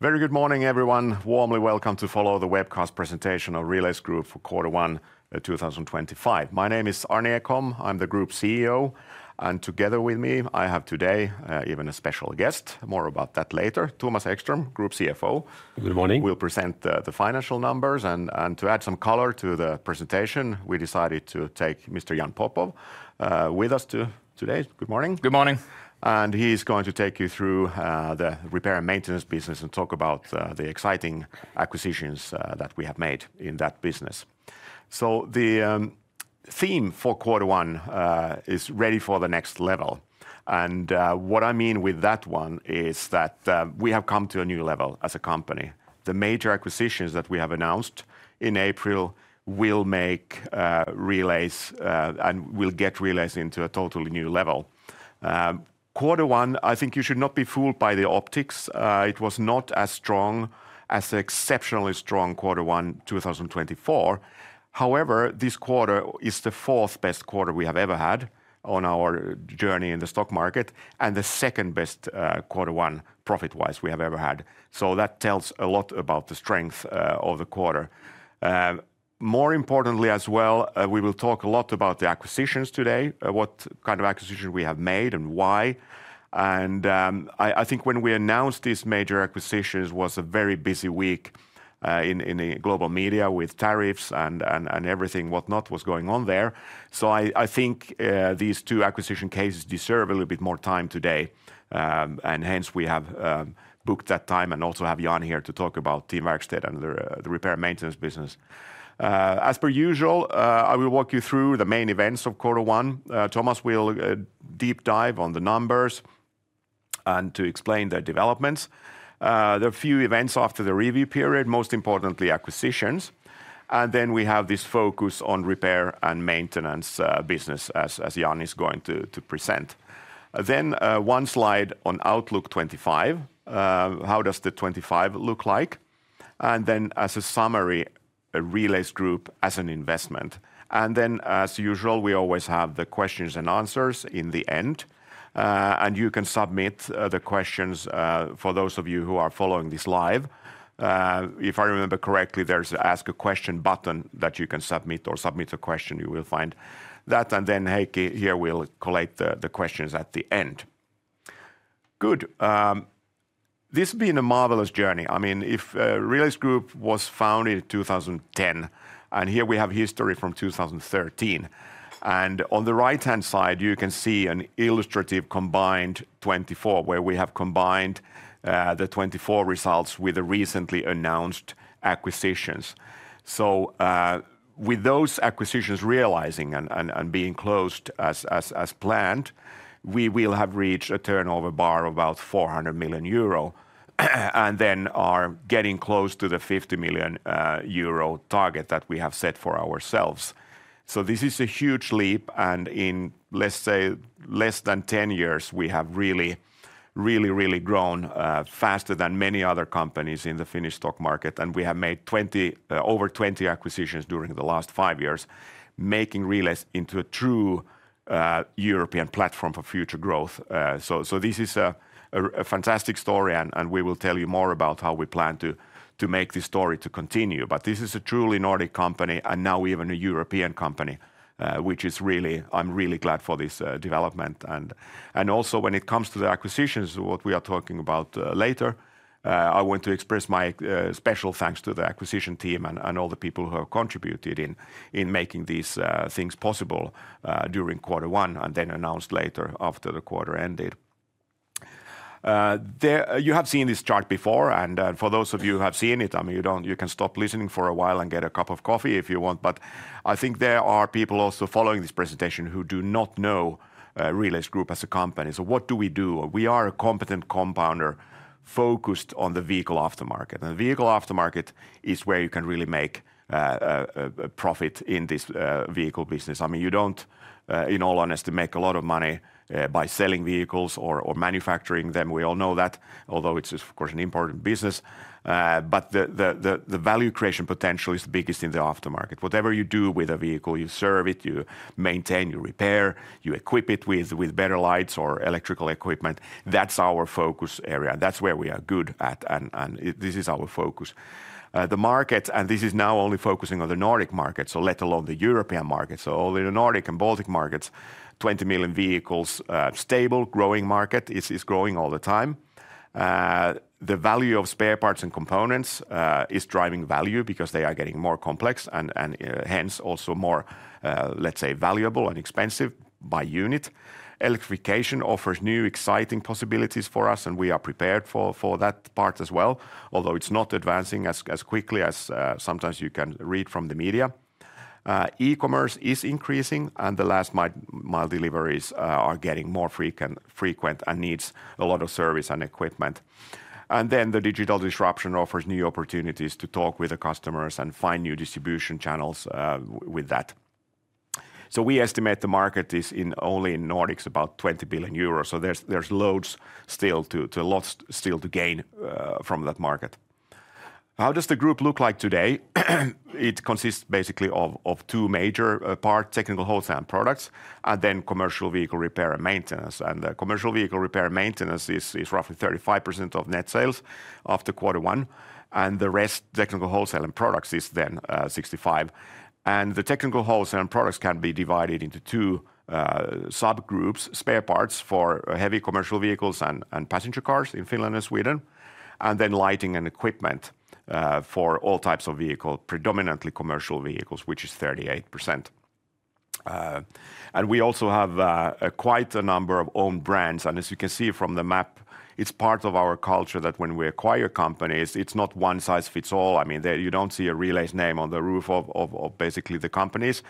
Very good morning, everyone. Warmly welcome to follow the webcast presentation of Relais Group for Q1 2025. My name is Arni Ekholm. I'm the Group CEO, and together with me, I have today even a special guest. More about that later. Thomas Ekström, Group CFO. Good morning. We'll present the financial numbers, and to add some color to the presentation, we decided to take Mr. Jan Popov with us today. Good morning. Good morning. He is going to take you through the repair and maintenance business and talk about the exciting acquisitions that we have made in that business. The theme for Q1 is "Ready for the Next Level." What I mean with that one is that we have come to a new level as a company. The major acquisitions that we have announced in April will make Relais, and will get Relais into a totally new level. Q1, I think you should not be fooled by the optics. It was not as strong as the exceptionally strong Q1 2024. However, this quarter is the fourth best quarter we have ever had on our journey in the stock market, and the second best Q1 profit-wise we have ever had. That tells a lot about the strength of the quarter. More importantly as well, we will talk a lot about the acquisitions today, what kind of acquisitions we have made and why. I think when we announced these major acquisitions, it was a very busy week in the global media with tariffs and everything whatnot was going on there. I think these two acquisition cases deserve a little bit more time today, and hence we have booked that time and also have Jan here to talk about Team Werkstedt and the repair maintenance business. As per usual, I will walk you through the main events of Q1. Thomas will deep dive on the numbers and explain the developments. There are a few events after the review period, most importantly acquisitions. We have this focus on repair and maintenance business, as Jan is going to present. One slide on Outlook 2025. How does the 2025 look like? And then as a summary, Relais Group as an investment. And then as usual, we always have the questions and answers in the end. You can submit the questions for those of you who are following this live. If I remember correctly, there is an ask a question button that you can submit or submit a question. You will find that. And then Heikki here will collate the questions at the end. Good. This has been a marvelous journey. I mean, if Relais Group was founded in 2010, and here we have history from 2013. On the right-hand side, you can see an illustrative combined 2024, where we have combined the 2024 results with the recently announced acquisitions. With those acquisitions realizing and being closed as planned, we will have reached a turnover bar of about 400 million euro and are getting close to the 50 million euro target that we have set for ourselves. This is a huge leap, and in, let's say, less than 10 years, we have really, really grown faster than many other companies in the Finnish stock market. We have made over 20 acquisitions during the last five years, making Relais Group into a true European platform for future growth. This is a fantastic story, and we will tell you more about how we plan to make this story continue. This is a truly Nordic company, and now even a European company, which is really, I'm really glad for this development. Also, when it comes to the acquisitions, what we are talking about later, I want to express my special thanks to the acquisition team and all the people who have contributed in making these things possible during Q1 and then announced later after the quarter ended. You have seen this chart before, and for those of you who have seen it, I mean, you can stop listening for a while and get a cup of coffee if you want. I think there are people also following this presentation who do not know Relais Group as a company. What do we do? We are a competent compounder focused on the vehicle aftermarket. The vehicle aftermarket is where you can really make profit in this vehicle business. I mean, you do not, in all honesty, make a lot of money by selling vehicles or manufacturing them. We all know that, although it's of course an important business. The value creation potential is the biggest in the aftermarket. Whatever you do with a vehicle, you serve it, you maintain, you repair, you equip it with better lights or electrical equipment. That's our focus area. That's where we are good at, and this is our focus. The market, and this is now only focusing on the Nordic market, let alone the European market. Only the Nordic and Baltic markets, 20 million vehicles, stable, growing market is growing all the time. The value of spare parts and components is driving value because they are getting more complex and hence also more, let's say, valuable and expensive by unit. Electrification offers new exciting possibilities for us, and we are prepared for that part as well, although it is not advancing as quickly as sometimes you can read from the media. E-commerce is increasing, and the last mile deliveries are getting more frequent and need a lot of service and equipment. The digital disruption offers new opportunities to talk with the customers and find new distribution channels with that. We estimate the market is only in Nordics, about 20 billion euros. There is loads still to, a lot still to gain from that market. How does the group look like today? It consists basically of two major parts, technical wholesale and products, and then commercial vehicle repair and maintenance. The commercial vehicle repair and maintenance is roughly 35% of net sales after Q1, and the rest, technical wholesale and products, is then 65%. The technical wholesale and products can be divided into two subgroups, spare parts for heavy commercial vehicles and passenger cars in Finland and Sweden, and then lighting and equipment for all types of vehicles, predominantly commercial vehicles, which is 38%. We also have quite a number of own brands. As you can see from the map, it is part of our culture that when we acquire companies, it is not one size fits all. I mean, you do not see a Relais name on the roof of basically the companies.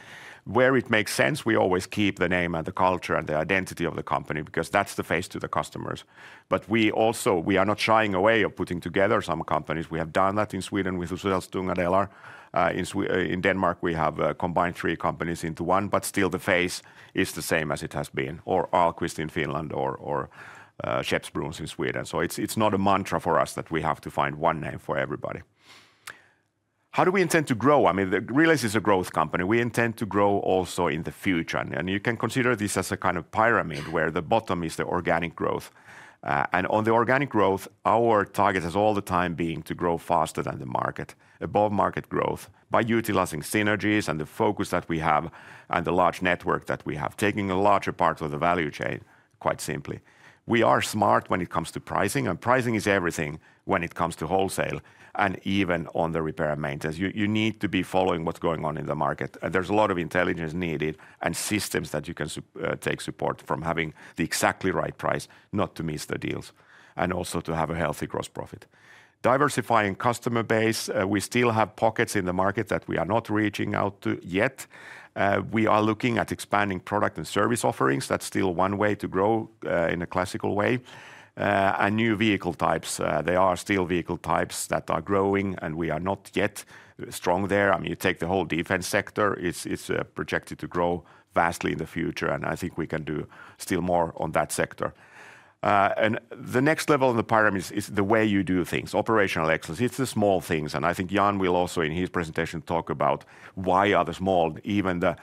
Where it makes sense, we always keep the name and the culture and the identity of the company because that is the face to the customers. We also are not shying away from putting together some companies. We have done that in Sweden with Söderstång & Dalar. In Denmark, we have combined three companies into one, but still the face is the same as it has been, or Ahlqvist in Finland or Skeppsbrons in Sweden. It is not a mantra for us that we have to find one name for everybody. How do we intend to grow? I mean, Relais is a growth company. We intend to grow also in the future. You can consider this as a kind of pyramid where the bottom is the organic growth. On the organic growth, our target has all the time been to grow faster than the market, above market growth, by utilizing synergies and the focus that we have and the large network that we have, taking a larger part of the value chain, quite simply. We are smart when it comes to pricing, and pricing is everything when it comes to wholesale and even on the repair and maintenance. You need to be following what's going on in the market. There's a lot of intelligence needed and systems that you can take support from having the exactly right price, not to miss the deals, and also to have a healthy gross profit. Diversifying customer base. We still have pockets in the market that we are not reaching out to yet. We are looking at expanding product and service offerings. That's still one way to grow in a classical way. New vehicle types. There are still vehicle types that are growing, and we are not yet strong there. I mean, you take the whole defense sector. It's projected to grow vastly in the future, and I think we can do still more on that sector. The next level in the pyramid is the way you do things, operational excellence. It's the small things. I think Jan will also, in his presentation, talk about why are the small, even the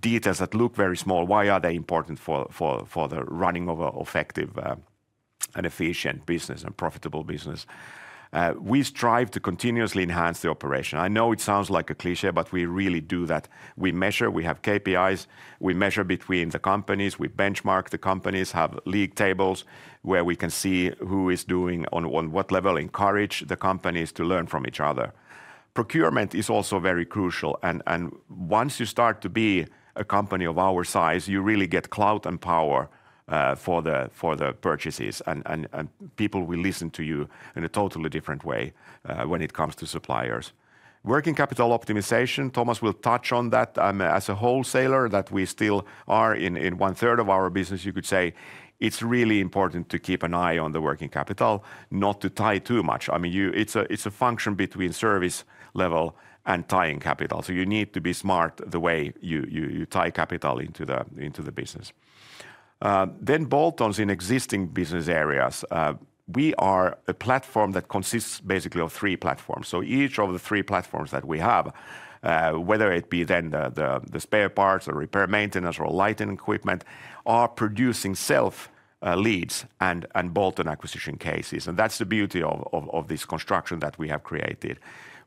details that look very small, why are they important for the running of an efficient business and profitable business. We strive to continuously enhance the operation. I know it sounds like a cliché, but we really do that. We measure, we have KPIs, we measure between the companies, we benchmark the companies, have league tables where we can see who is doing on what level, encourage the companies to learn from each other. Procurement is also very crucial. Once you start to be a company of our size, you really get clout and power for the purchases, and people will listen to you in a totally different way when it comes to suppliers. Working capital optimization, Thomas will touch on that. As a wholesaler, that we still are in one third of our business, you could say, it's really important to keep an eye on the working capital, not to tie too much. I mean, it's a function between service level and tying capital. You need to be smart the way you tie capital into the business. Then bolt-ons in existing business areas. We are a platform that consists basically of three platforms. Each of the three platforms that we have, whether it be then the spare parts or repair maintenance or lighting equipment, are producing self-leads and bolt-on acquisition cases. That's the beauty of this construction that we have created.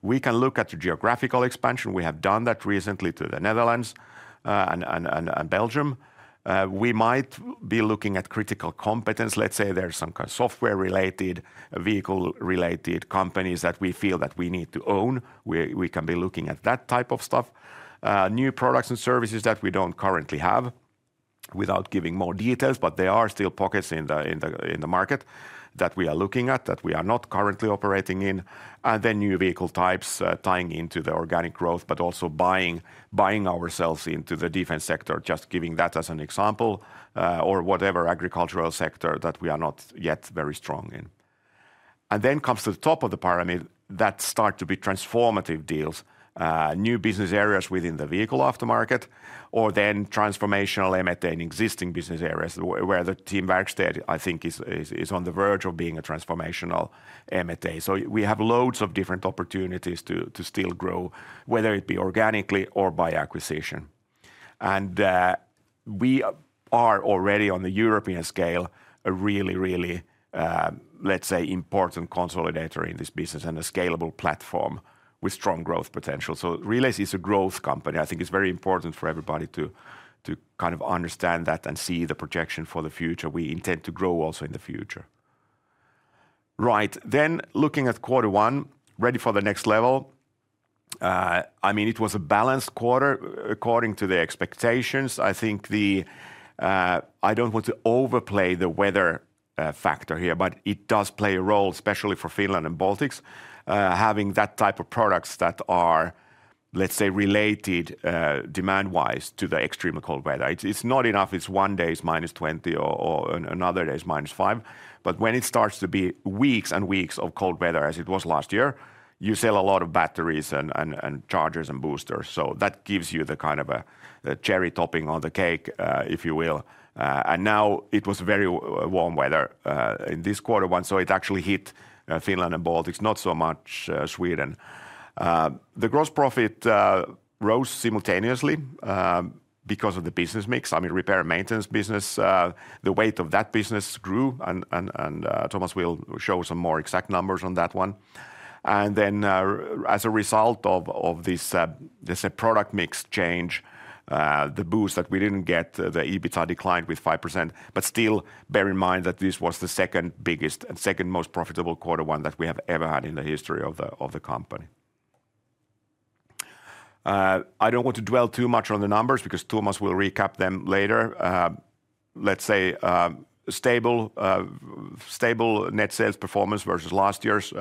We can look at the geographical expansion. We have done that recently to the Netherlands and Belgium. We might be looking at critical competence. Let's say there's some kind of software-related, vehicle-related companies that we feel that we need to own. We can be looking at that type of stuff. New products and services that we don't currently have without giving more details, but there are still pockets in the market that we are looking at that we are not currently operating in. New vehicle types tying into the organic growth, but also buying ourselves into the defense sector, just giving that as an example, or whatever agricultural sector that we are not yet very strong in. Then comes to the top of the pyramid, that start to be transformative deals, new business areas within the vehicle aftermarket, or then transformational M&A in existing business areas where the Team Werkstedt, I think, is on the verge of being a transformational M&A. We have loads of different opportunities to still grow, whether it be organically or by acquisition. We are already on the European scale, a really, really, let's say, important consolidator in this business and a scalable platform with strong growth potential. Relais is a growth company. I think it's very important for everybody to kind of understand that and see the projection for the future. We intend to grow also in the future. Right. Looking at Q1, ready for the next level. I mean, it was a balanced quarter according to the expectations. I think the, I don't want to overplay the weather factor here, but it does play a role, especially for Finland and Baltic markets, having that type of products that are, let's say, related demand-wise to the extreme cold weather. It's not enough. It's one day it's -20 or another day it's -5. When it starts to be weeks and weeks of cold weather, as it was last year, you sell a lot of batteries and chargers and boosters. That gives you the kind of a cherry topping on the cake, if you will. Now it was very warm weather in this quarter one, so it actually hit Finland and Baltics, not so much Sweden. The gross profit rose simultaneously because of the business mix. I mean, repair maintenance business, the weight of that business grew, and Thomas will show some more exact numbers on that one. As a result of this product mix change, the boost that we did not get, the EBITDA declined with 5%. Still, bear in mind that this was the second biggest and second most profitable quarter one that we have ever had in the history of the company. I do not want to dwell too much on the numbers because Thomas will recap them later. Let's say stable net sales performance versus last year's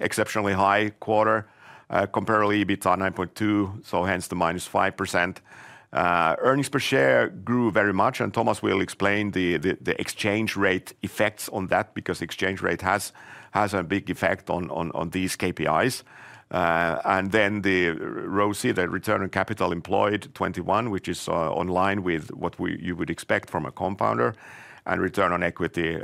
exceptionally high quarter, comparable EBITDA 9.2, so hence the -5%. Earnings per share grew very much, and Thomas will explain the exchange rate effects on that because exchange rate has a big effect on these KPIs. The ROSI, the return on capital employed, 21, which is in line with what you would expect from a compounder, and return on equity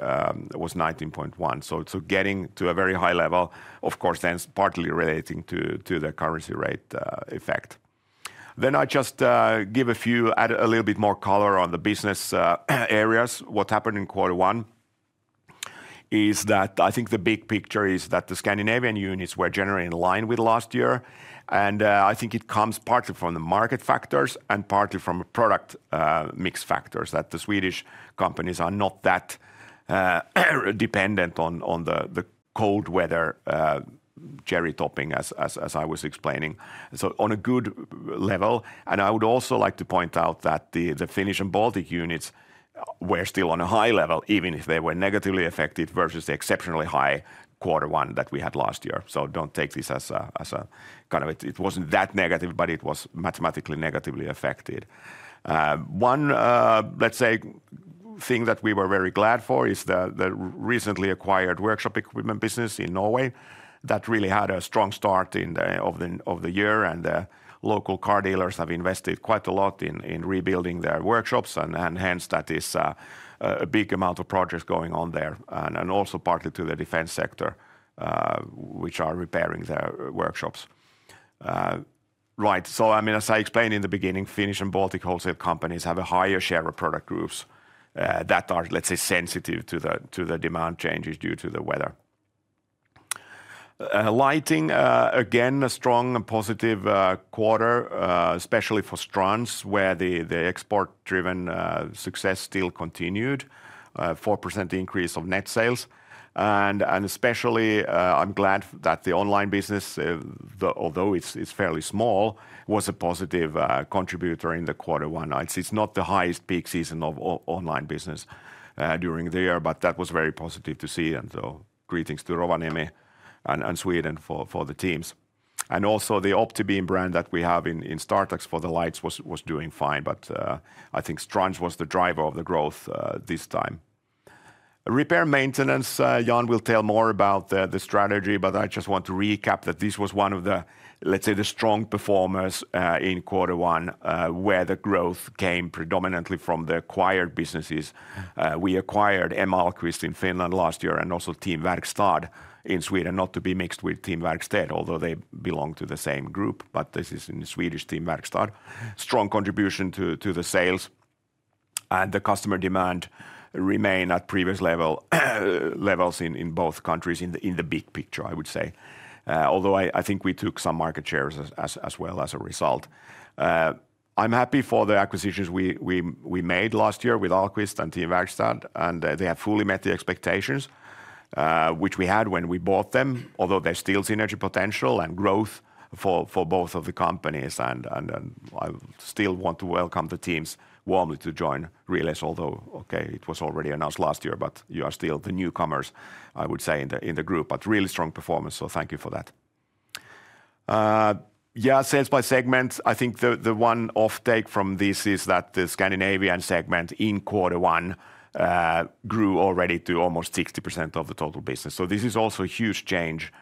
was 19.1. Getting to a very high level, of course, then partly relating to the currency rate effect. I just give a few, add a little bit more color on the business areas. What happened in quarter one is that I think the big picture is that the Scandinavian units were generally in line with last year. I think it comes partly from the market factors and partly from product mix factors that the Swedish companies are not that dependent on the cold weather cherry topping, as I was explaining. On a good level. I would also like to point out that the Finnish and Baltic units were still on a high level, even if they were negatively affected versus the exceptionally high quarter one that we had last year. Do not take this as a kind of, it was not that negative, but it was mathematically negatively affected. One, let's say, thing that we were very glad for is the recently acquired workshop equipment business in Norway that really had a strong start of the year. The local car dealers have invested quite a lot in rebuilding their workshops, and hence that is a big amount of projects going on there, and also partly to the defense sector, which are repairing their workshops. Right. I mean, as I explained in the beginning, Finnish and Baltic wholesale companies have a higher share of product groups that are, let's say, sensitive to the demand changes due to the weather. Lighting, again, a strong and positive quarter, especially for Ströms, where the export-driven success still continued, 4% increase of net sales. Especially, I'm glad that the online business, although it's fairly small, was a positive contributor in quarter one. It's not the highest peak season of online business during the year, but that was very positive to see. Greetings to Rovaniemi and Sweden for the teams. Also, the OptiBeam brand that we have in StarTrax for the lights was doing fine, but I think Ströms was the driver of the growth this time. Repair maintenance, Jan will tell more about the strategy, but I just want to recap that this was one of the, let's say, the strong performers in quarter one, where the growth came predominantly from the acquired businesses. We acquired Ahlqvist in Finland last year and also Team Werkstad in Sweden, not to be mixed with Team Werkstedt, although they belong to the same group, but this is in Swedish Team Werkstad. Strong contribution to the sales and the customer demand remain at previous levels in both countries in the big picture, I would say. Although I think we took some market shares as well as a result. I'm happy for the acquisitions we made last year with Ahlqvist and Team Werkstad, and they have fully met the expectations, which we had when we bought them, although there's still synergy potential and growth for both of the companies. I still want to welcome the teams warmly to join Relais, although, okay, it was already announced last year, but you are still the newcomers, I would say, in the group, but really strong performance, so thank you for that. Yeah, sales by segment. I think the one offtake from this is that the Scandinavian segment in quarter one grew already to almost 60% of the total business. This is also a huge change,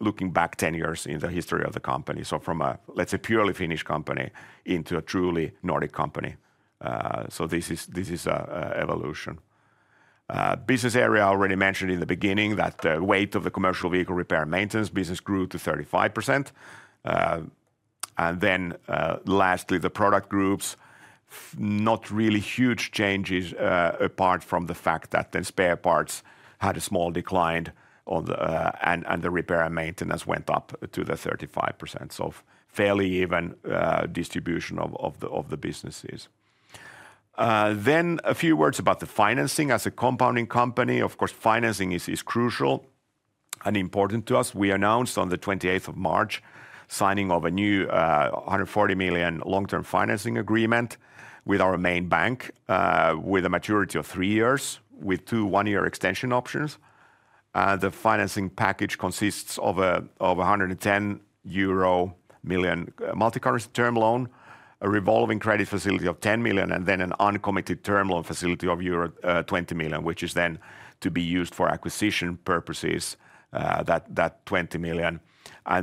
looking back 10 years in the history of the company. From a, let's say, purely Finnish company into a truly Nordic company. This is an evolution. Business area I already mentioned in the beginning that the weight of the commercial vehicle repair maintenance business grew to 35%. Lastly, the product groups, not really huge changes apart from the fact that spare parts had a small decline and the repair and maintenance went up to 35%. Fairly even distribution of the businesses. A few words about the financing as a compounding company. Of course, financing is crucial and important to us. We announced on the 28th of March signing of a new 140 million long-term financing agreement with our main bank, with a maturity of three years, with two one-year extension options. The financing package consists of a 110 million euro multicurrency term loan, a revolving credit facility of 10 million, and then an uncommitted term loan facility of euro 20 million, which is then to be used for acquisition purposes, that 20 million.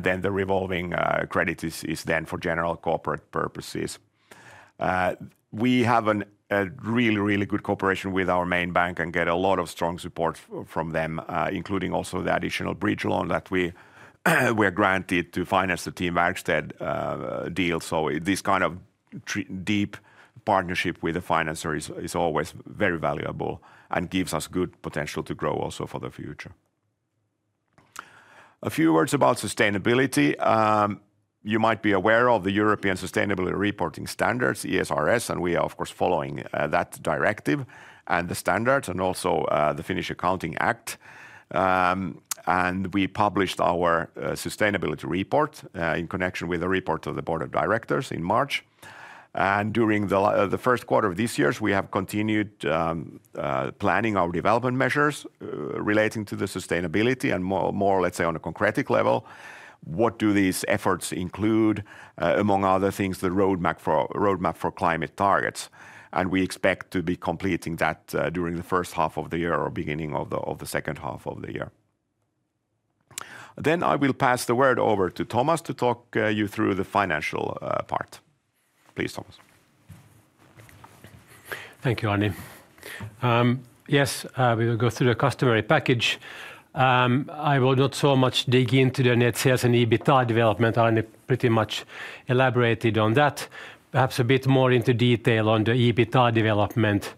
The revolving credit is then for general corporate purposes. We have a really, really good cooperation with our main bank and get a lot of strong support from them, including also the additional bridge loan that we were granted to finance the Team Werkstedt deal. This kind of deep partnership with the financer is always very valuable and gives us good potential to grow also for the future. A few words about sustainability. You might be aware of the European Sustainability Reporting Standards, ESRS, and we are, of course, following that directive and the standards and also the Finnish Accounting Act. We published our sustainability report in connection with a report of the board of directors in March. During the first quarter of this year, we have continued planning our development measures relating to the sustainability and more, let's say, on a concretic level. What do these efforts include? Among other things, the roadmap for climate targets. We expect to be completing that during the first half of the year or beginning of the second half of the year. I will pass the word over to Thomas to talk you through the financial part. Please, Thomas. Thank you, Arni. Yes, we will go through the customary package. I will not so much dig into the net sales and EBITDA development. Arni pretty much elaborated on that. Perhaps a bit more into detail on the EBITDA development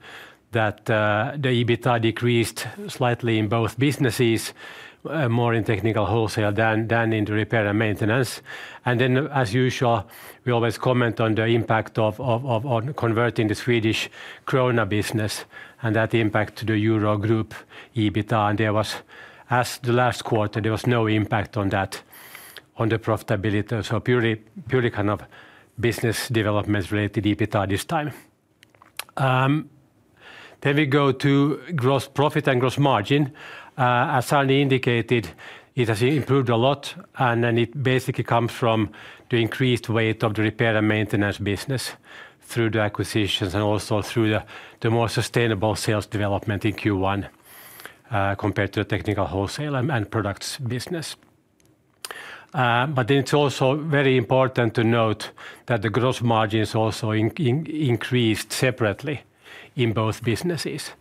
that the EBITDA decreased slightly in both businesses, more in technical wholesale than in the repair and maintenance. As usual, we always comment on the impact of converting the Swedish krona business and that impact to the Euro Group EBITDA. There was, as the last quarter, there was no impact on that, on the profitability. Purely kind of business development related EBITDA this time. We go to gross profit and gross margin. As Arni indicated, it has improved a lot, and it basically comes from the increased weight of the repair and maintenance business through the acquisitions and also through the more sustainable sales development in Q1 compared to the technical wholesale and products business. It is also very important to note that the gross margins also increased separately in both businesses.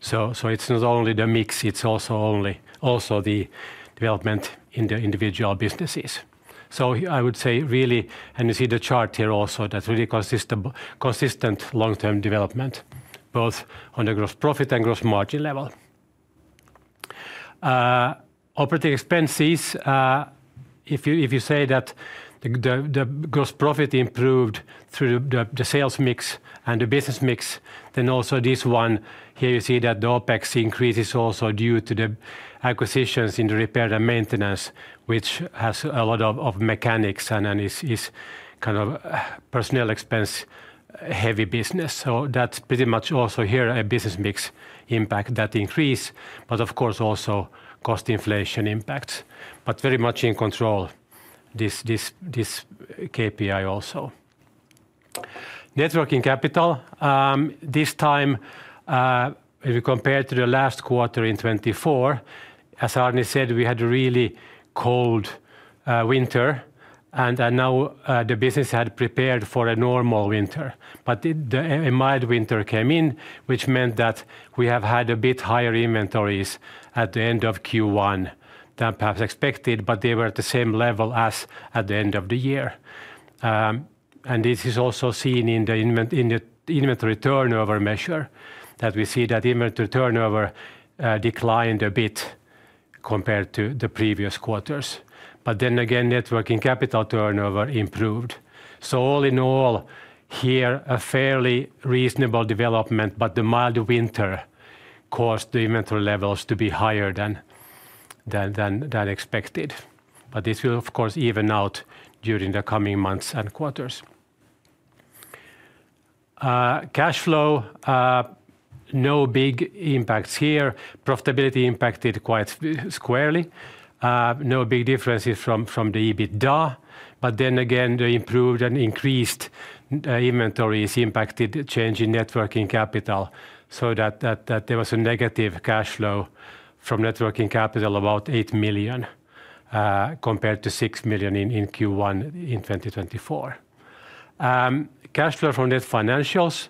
It is not only the mix, it is also the development in the individual businesses. I would say really, and you see the chart here also, that is really consistent long-term development, both on the gross profit and gross margin level. Operating expenses, if you say that the gross profit improved through the sales mix and the business mix, then also this one here, you see that the OPEX increases also due to the acquisitions in the repair and maintenance, which has a lot of mechanics and is kind of personnel expense heavy business. That is pretty much also here a business mix impact that increased, but of course also cost inflation impacts, but very much in control, this KPI also. working capital, this time, if you compare to the last quarter in 2024, as Arni said, we had a really cold winter, and now the business had prepared for a normal winter. A mild winter came in, which meant that we have had a bit higher inventories at the end of Q1 than perhaps expected, but they were at the same level as at the end of the year. This is also seen in the inventory turnover measure that we see that inventory turnover declined a bit compared to the previous quarters. Then again, net working capital turnover improved. All in all here, a fairly reasonable development, but the mild winter caused the inventory levels to be higher than expected. This will, of course, even out during the coming months and quarters. Cash flow, no big impacts here. Profitability impacted quite squarely. No big differences from the EBITDA, but then again, the improved and increased inventories impacted change in net working capital, so that there was a negative cash flow from net working capital of about 8 million compared to 6 million in Q1 in 2024. Cash flow from net financials,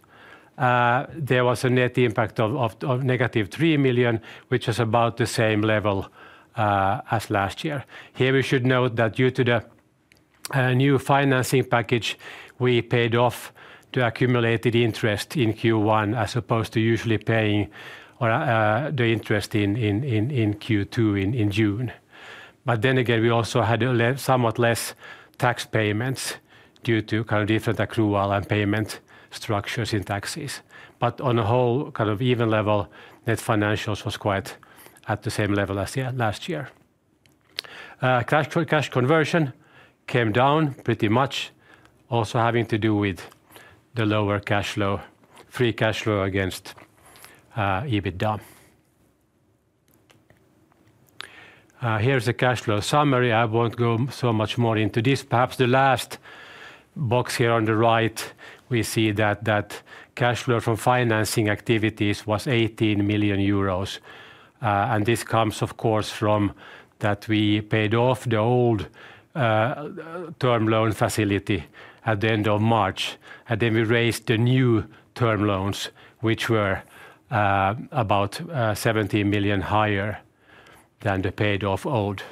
there was a net impact of negative 3 million, which is about the same level as last year. Here we should note that due to the new financing package, we paid off the accumulated interest in Q1 as opposed to usually paying the interest in Q2 in June. We also had somewhat less tax payments due to kind of different accrual and payment structures in taxes. On a whole, kind of even level, net financials was quite at the same level as last year. Cash conversion came down pretty much, also having to do with the lower cash flow, free cash flow against EBITDA. Here is the cash flow summary. I will not go so much more into this. Perhaps the last box here on the right, we see that cash flow from financing activities was 18 million euros. This comes, of course, from that we paid off the old term loan facility at the end of March. We raised the new term loans, which were about 17 million higher than the paid-off old.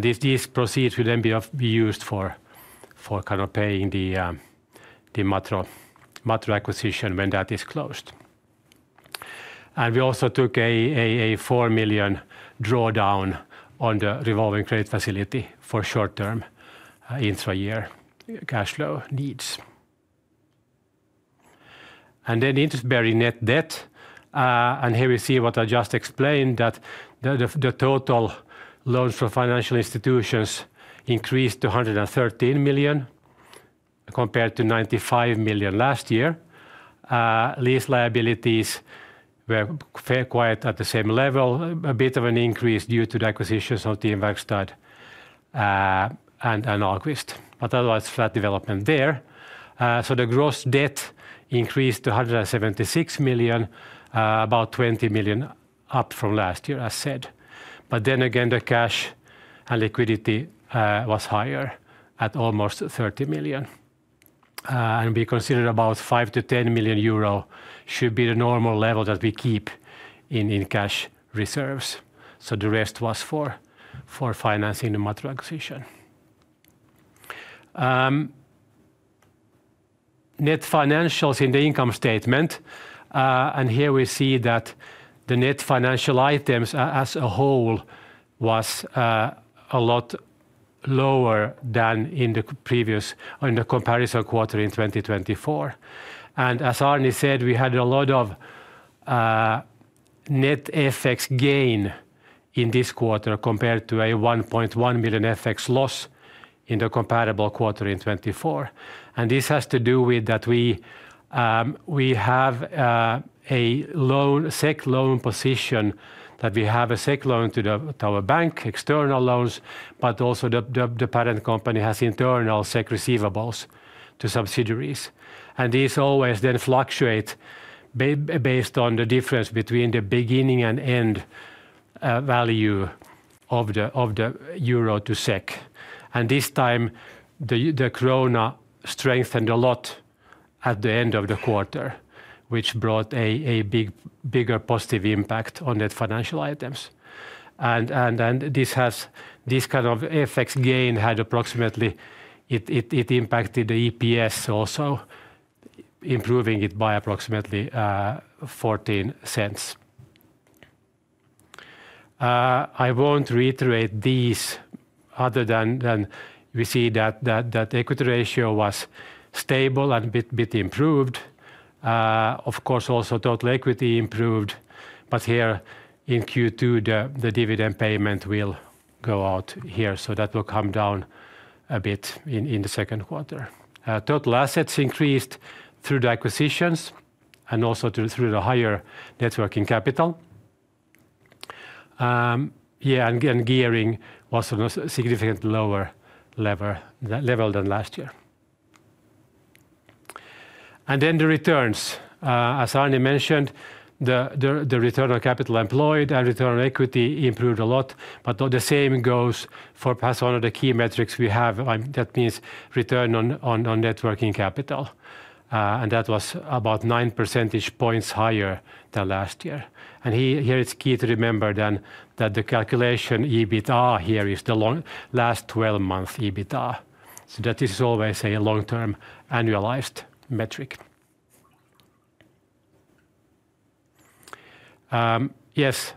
These proceeds will then be used for kind of paying the Macro Group acquisition when that is closed. We also took a 4 million drawdown on the revolving credit facility for short-term intra-year cash flow needs. Interest-bearing net debt. Here we see what I just explained, that the total loans for financial institutions increased to 113 million compared to 95 million last year. Lease liabilities were quite at the same level, a bit of an increase due to the acquisitions of Team Werkstad and Ahlqvist, but otherwise flat development there. The gross debt increased to 176 million, about 20 million up from last year, as said. The cash and liquidity was higher at almost 30 million. We considered about 5-10 million euro should be the normal level that we keep in cash reserves. The rest was for financing the Macro Group acquisition. Net financials in the income statement. Here we see that the net financial items as a whole was a lot lower than in the previous comparison quarter in 2024. As Arni said, we had a lot of net FX gain in this quarter compared to a 1.1 million FX loss in the comparable quarter in 2024. This has to do with that we have a SEK loan position, that we have a SEK loan to our bank, external loans, but also the parent company has internal SEK receivables to subsidiaries. These always then fluctuate based on the difference between the beginning and end value of the euro to SEK. This time, the krona strengthened a lot at the end of the quarter, which brought a bigger positive impact on net financial items. This kind of FX gain had approximately, it impacted the EPS also, improving it by approximately 0.14. I will not reiterate these other than we see that the equity ratio was stable and a bit improved. Of course, also total equity improved, but here in Q2, the dividend payment will go out here, so that will come down a bit in the second quarter. Total assets increased through the acquisitions and also through the higher net working capital. Yeah, and gearing was on a significantly lower level than last year. The returns, as Arni mentioned, the return on capital employed and return on equity improved a lot, but the same goes for perhaps one of the key metrics we have, that means return on net working capital. That was about 9 percentage points higher than last year. Here it is key to remember that the calculation EBITA here is the last 12 months EBITA, so this is always a long-term annualized metric. Yes,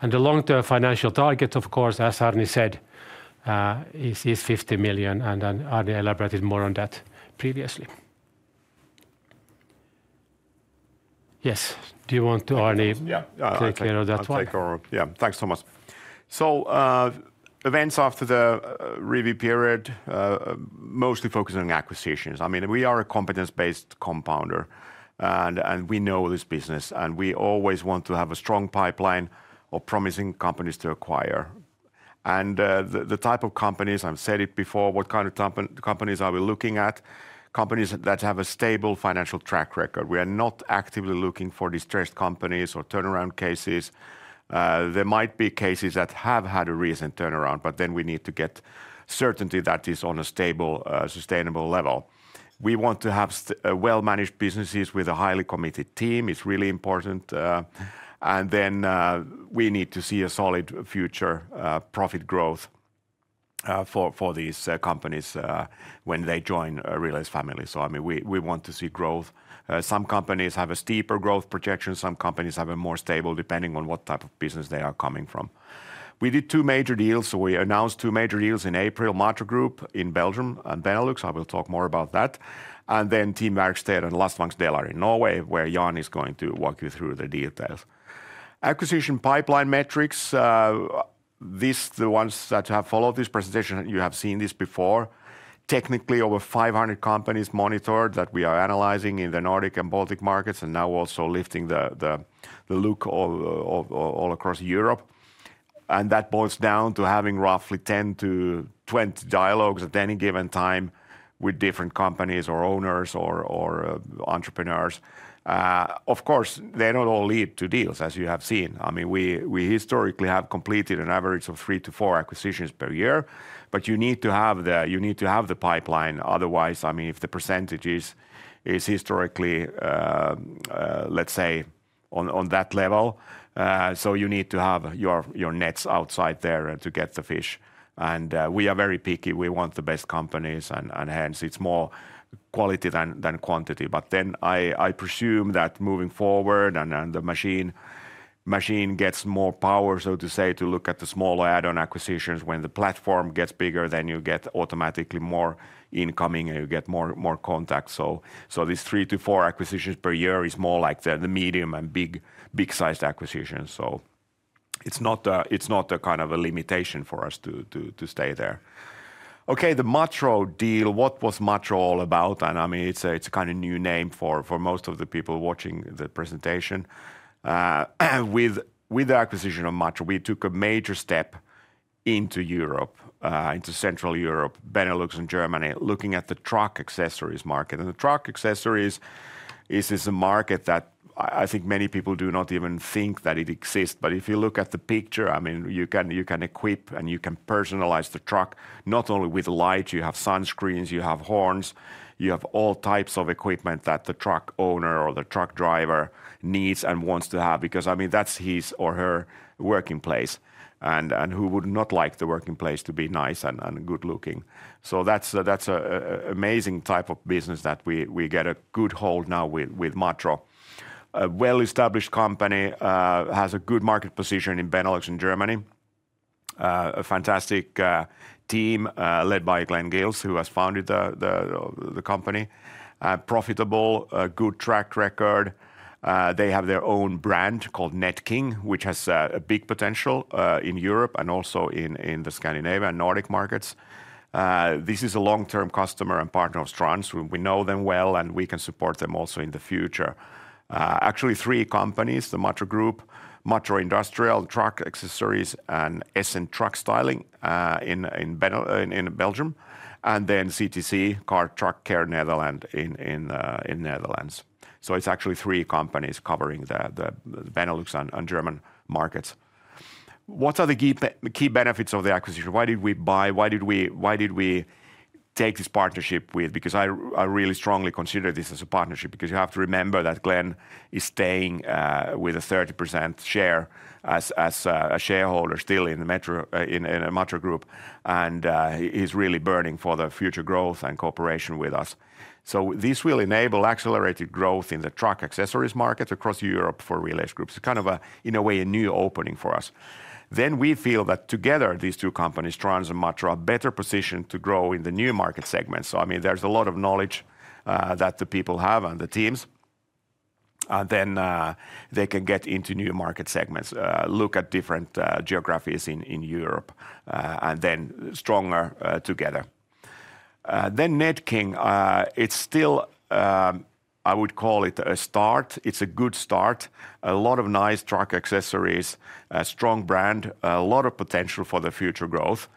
and the long-term financial target, of course, as Arni said, is 50 million, and Arni elaborated more on that previously. Yes, do you want to, Arni, take care of that one? Yeah, thanks so much. Events after the review period, mostly focusing on acquisitions. I mean, we are a competence-based compounder, and we know this business, and we always want to have a strong pipeline of promising companies to acquire. The type of companies, I've said it before, what kind of companies are we looking at? Companies that have a stable financial track record. We are not actively looking for distressed companies or turnaround cases. There might be cases that have had a recent turnaround, but then we need to get certainty that is on a stable, sustainable level. We want to have well-managed businesses with a highly committed team. It's really important. We need to see a solid future profit growth for these companies when they join a Relais family. I mean, we want to see growth. Some companies have a steeper growth projection, some companies have a more stable, depending on what type of business they are coming from. We did two major deals, we announced two major deals in April, Macro Group in Belgium and Benelux. I will talk more about that. Then Team Werkstedt and Lastvangs Delar in Norway, where Jan is going to walk you through the details. Acquisition pipeline metrics, these are the ones that have followed this presentation. You have seen this before. Technically, over 500 companies monitored that we are analyzing in the Nordic and Baltic markets and now also lifting the look all across Europe. That boils down to having roughly 10 dialogue-20 dialogues at any given time with different companies or owners or entrepreneurs. Of course, they do not all lead to deals, as you have seen. I mean, we historically have completed an average of three to four acquisitions per year, but you need to have the pipeline, otherwise, I mean, if the percentage is historically, let's say, on that level, you need to have your nets outside there to get the fish. We are very picky. We want the best companies, and hence it's more quality than quantity. I presume that moving forward and the machine gets more power, so to say, to look at the smaller add-on acquisitions. When the platform gets bigger, you get automatically more incoming and you get more contacts. These three to four acquisitions per year is more like the medium and big-sized acquisitions. It's not a kind of a limitation for us to stay there. Okay, the Macro deal, what was Macro all about? I mean, it's a kind of new name for most of the people watching the presentation. With the acquisition of Macro Group, we took a major step into Europe, into Central Europe, Benelux, and Germany, looking at the truck accessories market. The truck accessories is a market that I think many people do not even think that it exists. If you look at the picture, I mean, you can equip and you can personalize the truck not only with light, you have sunscreens, you have horns, you have all types of equipment that the truck owner or the truck driver needs and wants to have because, I mean, that's his or her working place. Who would not like the working place to be nice and good-looking? That's an amazing type of business that we get a good hold now with Macro Group. A well-established company has a good market position in Benelux and Germany. A fantastic team led by Glenn Gils, who has founded the company. Profitable, good track record. They have their own brand called NetKing, which has a big potential in Europe and also in the Scandinavian and Nordic markets. This is a long-term customer and partner of Strands. We know them well and we can support them also in the future. Actually, three companies, the Macro Group, Macro Industrial, Truck Accessories, and Essent Truck Styling in Belgium. And then CTC, Car Truck Care Netherland in Netherlands. So it's actually three companies covering the Benelux and German markets. What are the key benefits of the acquisition? Why did we buy? Why did we take this partnership with? Because I really strongly consider this as a partnership, because you have to remember that Glenn is staying with a 30% share as a shareholder still in Macro Group, and he's really burning for the future growth and cooperation with us. This will enable accelerated growth in the truck accessories market across Europe for Relais Group. It's kind of a, in a way, a new opening for us. I mean, we feel that together, these two companies, Strands and Macro, are better positioned to grow in the new market segments. I mean, there's a lot of knowledge that the people have and the teams. They can get into new market segments, look at different geographies in Europe, and then stronger together. NetKing, it's still, I would call it a start. It's a good start. A lot of nice truck accessories, a strong brand, a lot of potential for the future growth.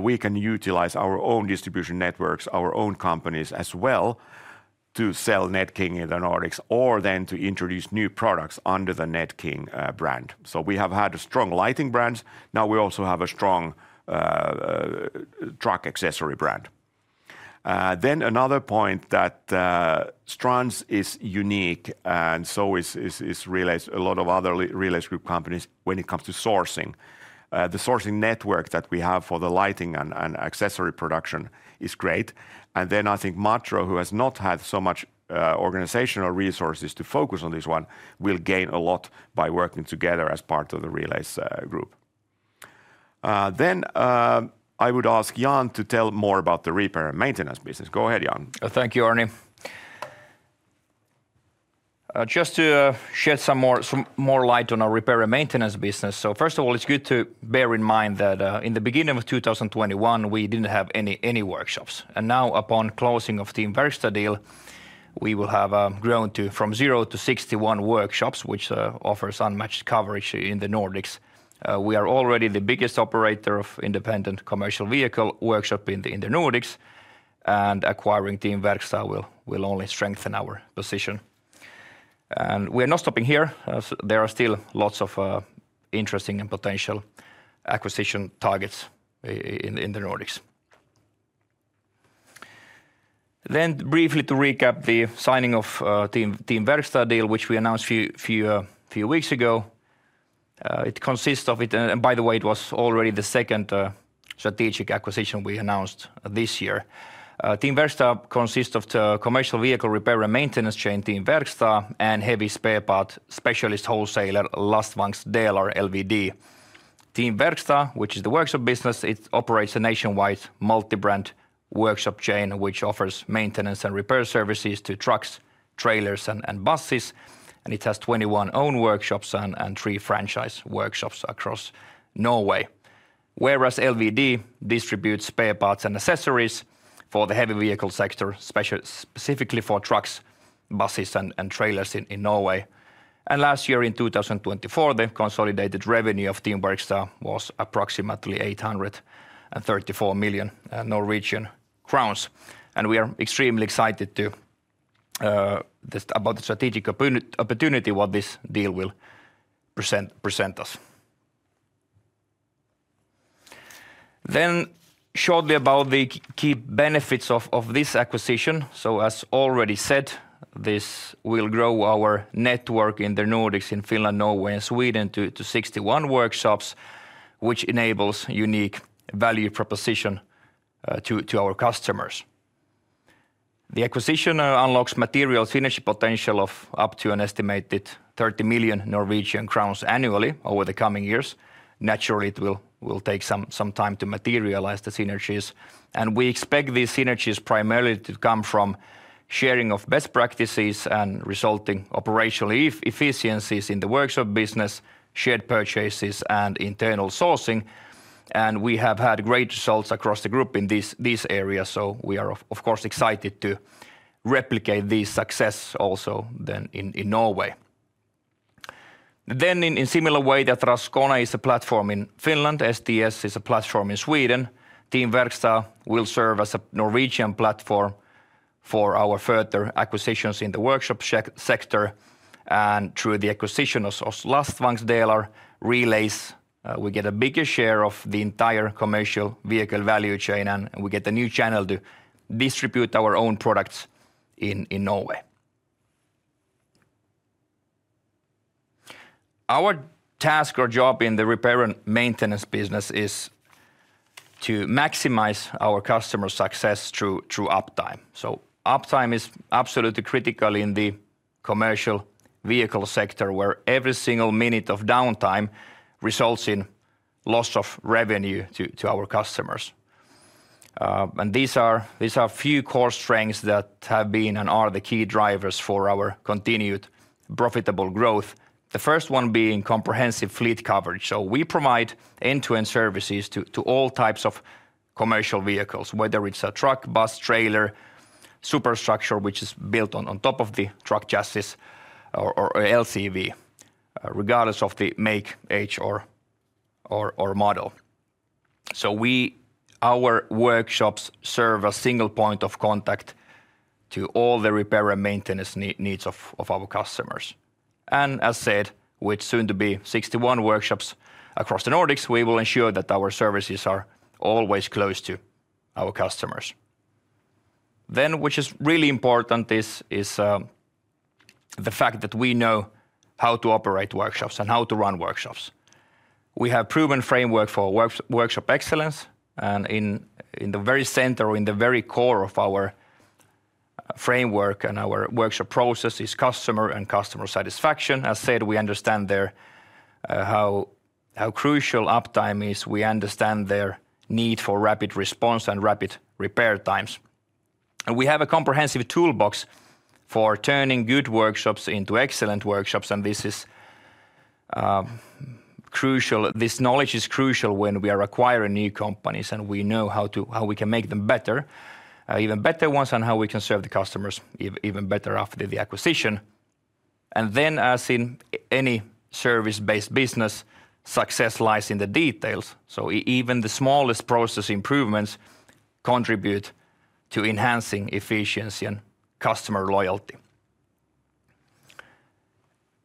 We can utilize our own distribution networks, our own companies as well to sell NetKing in the Nordics or to introduce new products under the NetKing brand. We have had a strong lighting brand. Now we also have a strong truck accessory brand. Another point is that Strands is unique and so is Relais, and a lot of other Relais Group companies when it comes to sourcing. The sourcing network that we have for the lighting and accessory production is great. I think Macro, who has not had so much organizational resources to focus on this one, will gain a lot by working together as part of the Relais Group. I would ask Jan to tell more about the repair and maintenance business. Go ahead, Jan. Thank you, Arni. Just to shed some more light on our repair and maintenance business. First of all, it's good to bear in mind that in the beginning of 2021, we didn't have any workshops. Now, upon closing of the Team Werkstedt deal, we will have grown from 0 to 61 workshops, which offers unmatched coverage in the Nordics. We are already the biggest operator of independent commercial vehicle workshop in the Nordics, and acquiring Team Werkstedt will only strengthen our position. We are not stopping here. There are still lots of interesting and potential acquisition targets in the Nordics. Briefly to recap the signing of the Team Werkstedt deal, which we announced a few weeks ago. It consists of, and by the way, it was already the second strategic acquisition we announced this year. Team Werkstedt consists of the commercial vehicle repair and maintenance chain, Team Werkstedt, and heavy spare part specialist wholesaler, Lastvangs Delar LVD. Team Werkstedt, which is the workshop business, it operates a nationwide multi-brand workshop chain, which offers maintenance and repair services to trucks, trailers, and buses. It has 21 own workshops and three franchise workshops across Norway. Whereas LVD distributes spare parts and accessories for the heavy vehicle sector, specifically for trucks, buses, and trailers in Norway. Last year, in 2024, the consolidated revenue of Team Werkstedt was approximately 834 million Norwegian crowns. We are extremely excited about the strategic opportunity what this deal will present us. Shortly about the key benefits of this acquisition. As already said, this will grow our network in the Nordics, in Finland, Norway, and Sweden to 61 workshops, which enables unique value proposition to our customers. The acquisition unlocks material synergy potential of up to an estimated 30 million Norwegian crowns annually over the coming years. Naturally, it will take some time to materialize the synergies. We expect these synergies primarily to come from sharing of best practices and resulting operational efficiencies in the workshop business, shared purchases, and internal sourcing. We have had great results across the group in these areas. We are, of course, excited to replicate these successes also then in Norway. In a similar way, Raskonen is a platform in Finland. STS is a platform in Sweden. Team Werkstedt will serve as a Norwegian platform for our further acquisitions in the workshop sector. Through the acquisition of Lastvangs Delar, Relais, we get a bigger share of the entire commercial vehicle value chain, and we get a new channel to distribute our own products in Norway. Our task or job in the repair and maintenance business is to maximize our customer success through uptime. Uptime is absolutely critical in the commercial vehicle sector, where every single minute of downtime results in loss of revenue to our customers. These are a few core strengths that have been and are the key drivers for our continued profitable growth. The first one being comprehensive fleet coverage. We provide end-to-end services to all types of commercial vehicles, whether it is a truck, bus, trailer, superstructure, which is built on top of the truck chassis, or LCV, regardless of the make, age, or model. Our workshops serve as a single point of contact to all the repair and maintenance needs of our customers. As said, with soon to be 61 workshops across the Nordics, we will ensure that our services are always close to our customers. What is really important is the fact that we know how to operate workshops and how to run workshops. We have a proven framework for workshop excellence. In the very center or in the very core of our framework and our workshop process is customer and customer satisfaction. As said, we understand how crucial uptime is. We understand their need for rapid response and rapid repair times. We have a comprehensive toolbox for turning good workshops into excellent workshops. This is crucial. This knowledge is crucial when we are acquiring new companies and we know how we can make them better, even better ones, and how we can serve the customers even better after the acquisition. As in any service-based business, success lies in the details. Even the smallest process improvements contribute to enhancing efficiency and customer loyalty.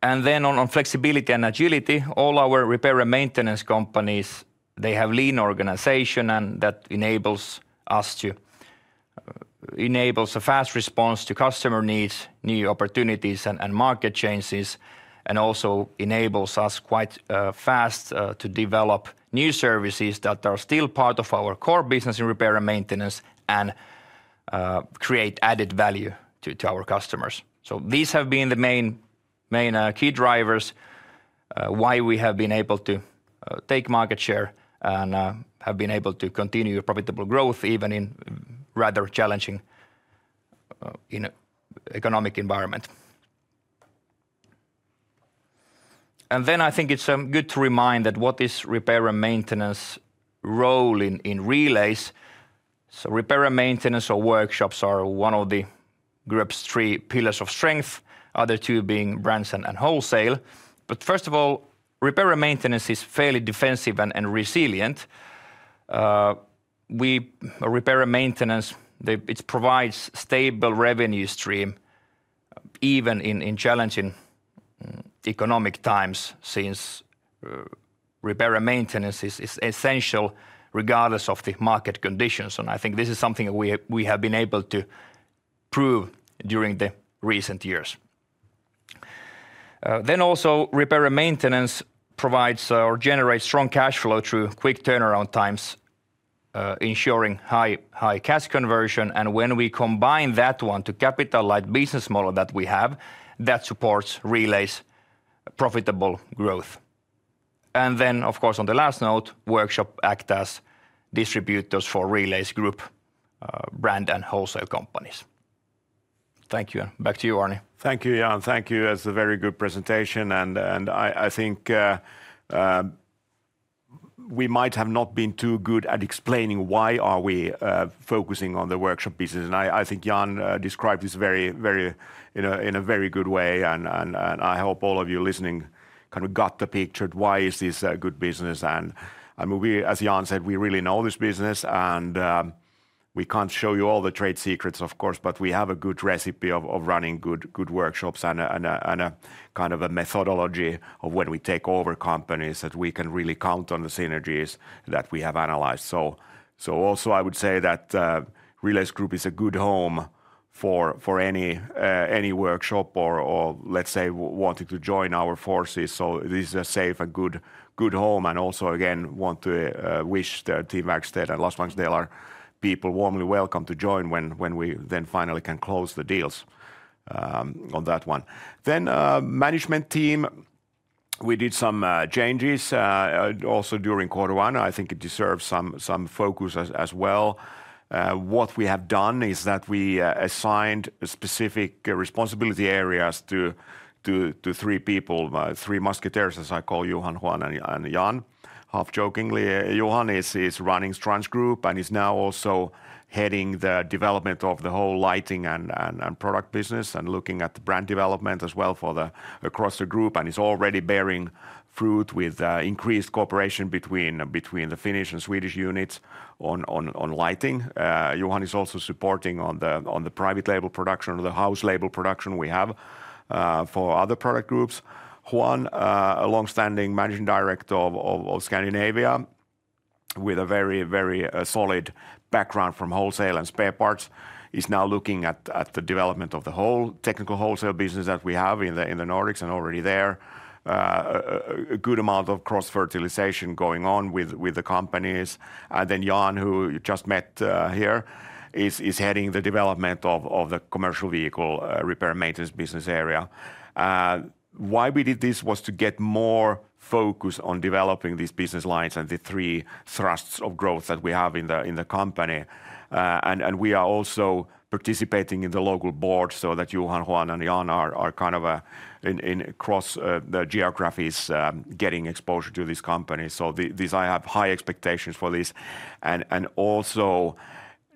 On flexibility and agility, all our repair and maintenance companies have a lean organization, and that enables us to enable a fast response to customer needs, new opportunities, and market changes. It also enables us quite fast to develop new services that are still part of our core business in repair and maintenance and create added value to our customers. These have been the main key drivers why we have been able to take market share and have been able to continue profitable growth even in rather challenging economic environments. I think it is good to remind that what is repair and maintenance role in Relais Group? Repair and maintenance or workshops are one of the group's three pillars of strength, the other two being brands and wholesale. First of all, repair and maintenance is fairly defensive and resilient. Repair and maintenance, it provides a stable revenue stream even in challenging economic times since repair and maintenance is essential regardless of the market conditions. I think this is something we have been able to prove during the recent years. Repair and maintenance provides or generates strong cash flow through quick turnaround times, ensuring high cash conversion. When we combine that one to capitalize the business model that we have, that supports Relais' profitable growth. Of course, on the last note, workshops act as distributors for Relais Group, brand, and wholesale companies. Thank you. Back to you, Arni. Thank you, Jan. Thank you. That's a very good presentation. I think we might have not been too good at explaining why we are focusing on the workshop business. I think Jan described this in a very good way. I hope all of you listening kind of got the picture of why this is a good business. I mean, as Jan said, we really know this business. We cannot show you all the trade secrets, of course, but we have a good recipe of running good workshops and a kind of a methodology of when we take over companies that we can really count on the synergies that we have analyzed. I would say that Relais Group is a good home for any workshop or, let's say, wanting to join our forces. This is a safe and good home. I also, again, want to wish Team Werkstedt and Lastvangs Delar people warmly welcome to join when we then finally can close the deals on that one. The management team, we did some changes also during quarter one. I think it deserves some focus as well. What we have done is that we assigned specific responsibility areas to three people, three musketeers, as I call Johan, Juan, and Jan. Half jokingly, Johan is running Strands Group and is now also heading the development of the whole lighting and product business and looking at the brand development as well across the group. It is already bearing fruit with increased cooperation between the Finnish and Swedish units on lighting. Johan is also supporting on the private label production or the house label production we have for other product groups. Juan, a long-standing managing director of Scandinavia with a very, very solid background from wholesale and spare parts, is now looking at the development of the whole technical wholesale business that we have in the Nordics and already there. A good amount of cross-fertilization going on with the companies. Jan, who you just met here, is heading the development of the commercial vehicle repair and maintenance business area. Why we did this was to get more focus on developing these business lines and the three thrusts of growth that we have in the company. We are also participating in the local board so that Johan, Juan, and Jan are kind of across the geographies getting exposure to these companies. I have high expectations for this and also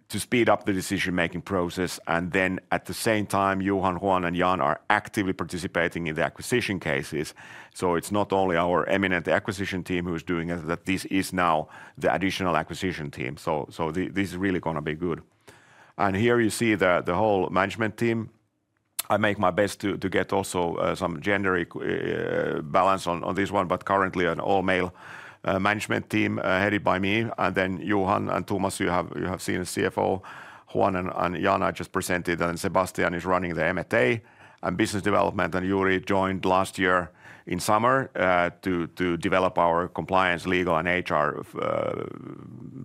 to speed up the decision-making process. At the same time, Johan, Juan, and Jan are actively participating in the acquisition cases. It is not only our eminent acquisition team who is doing it, this is now the additional acquisition team. This is really going to be good. Here you see the whole management team. I make my best to get also some gender balance on this one, but currently an all-male management team headed by me. Johan and Thomas, you have seen the CFO. Juan and Jan I just presented, and Sebastian is running the M&A and business development. Yuri joined last year in summer to develop our compliance, legal, and HR,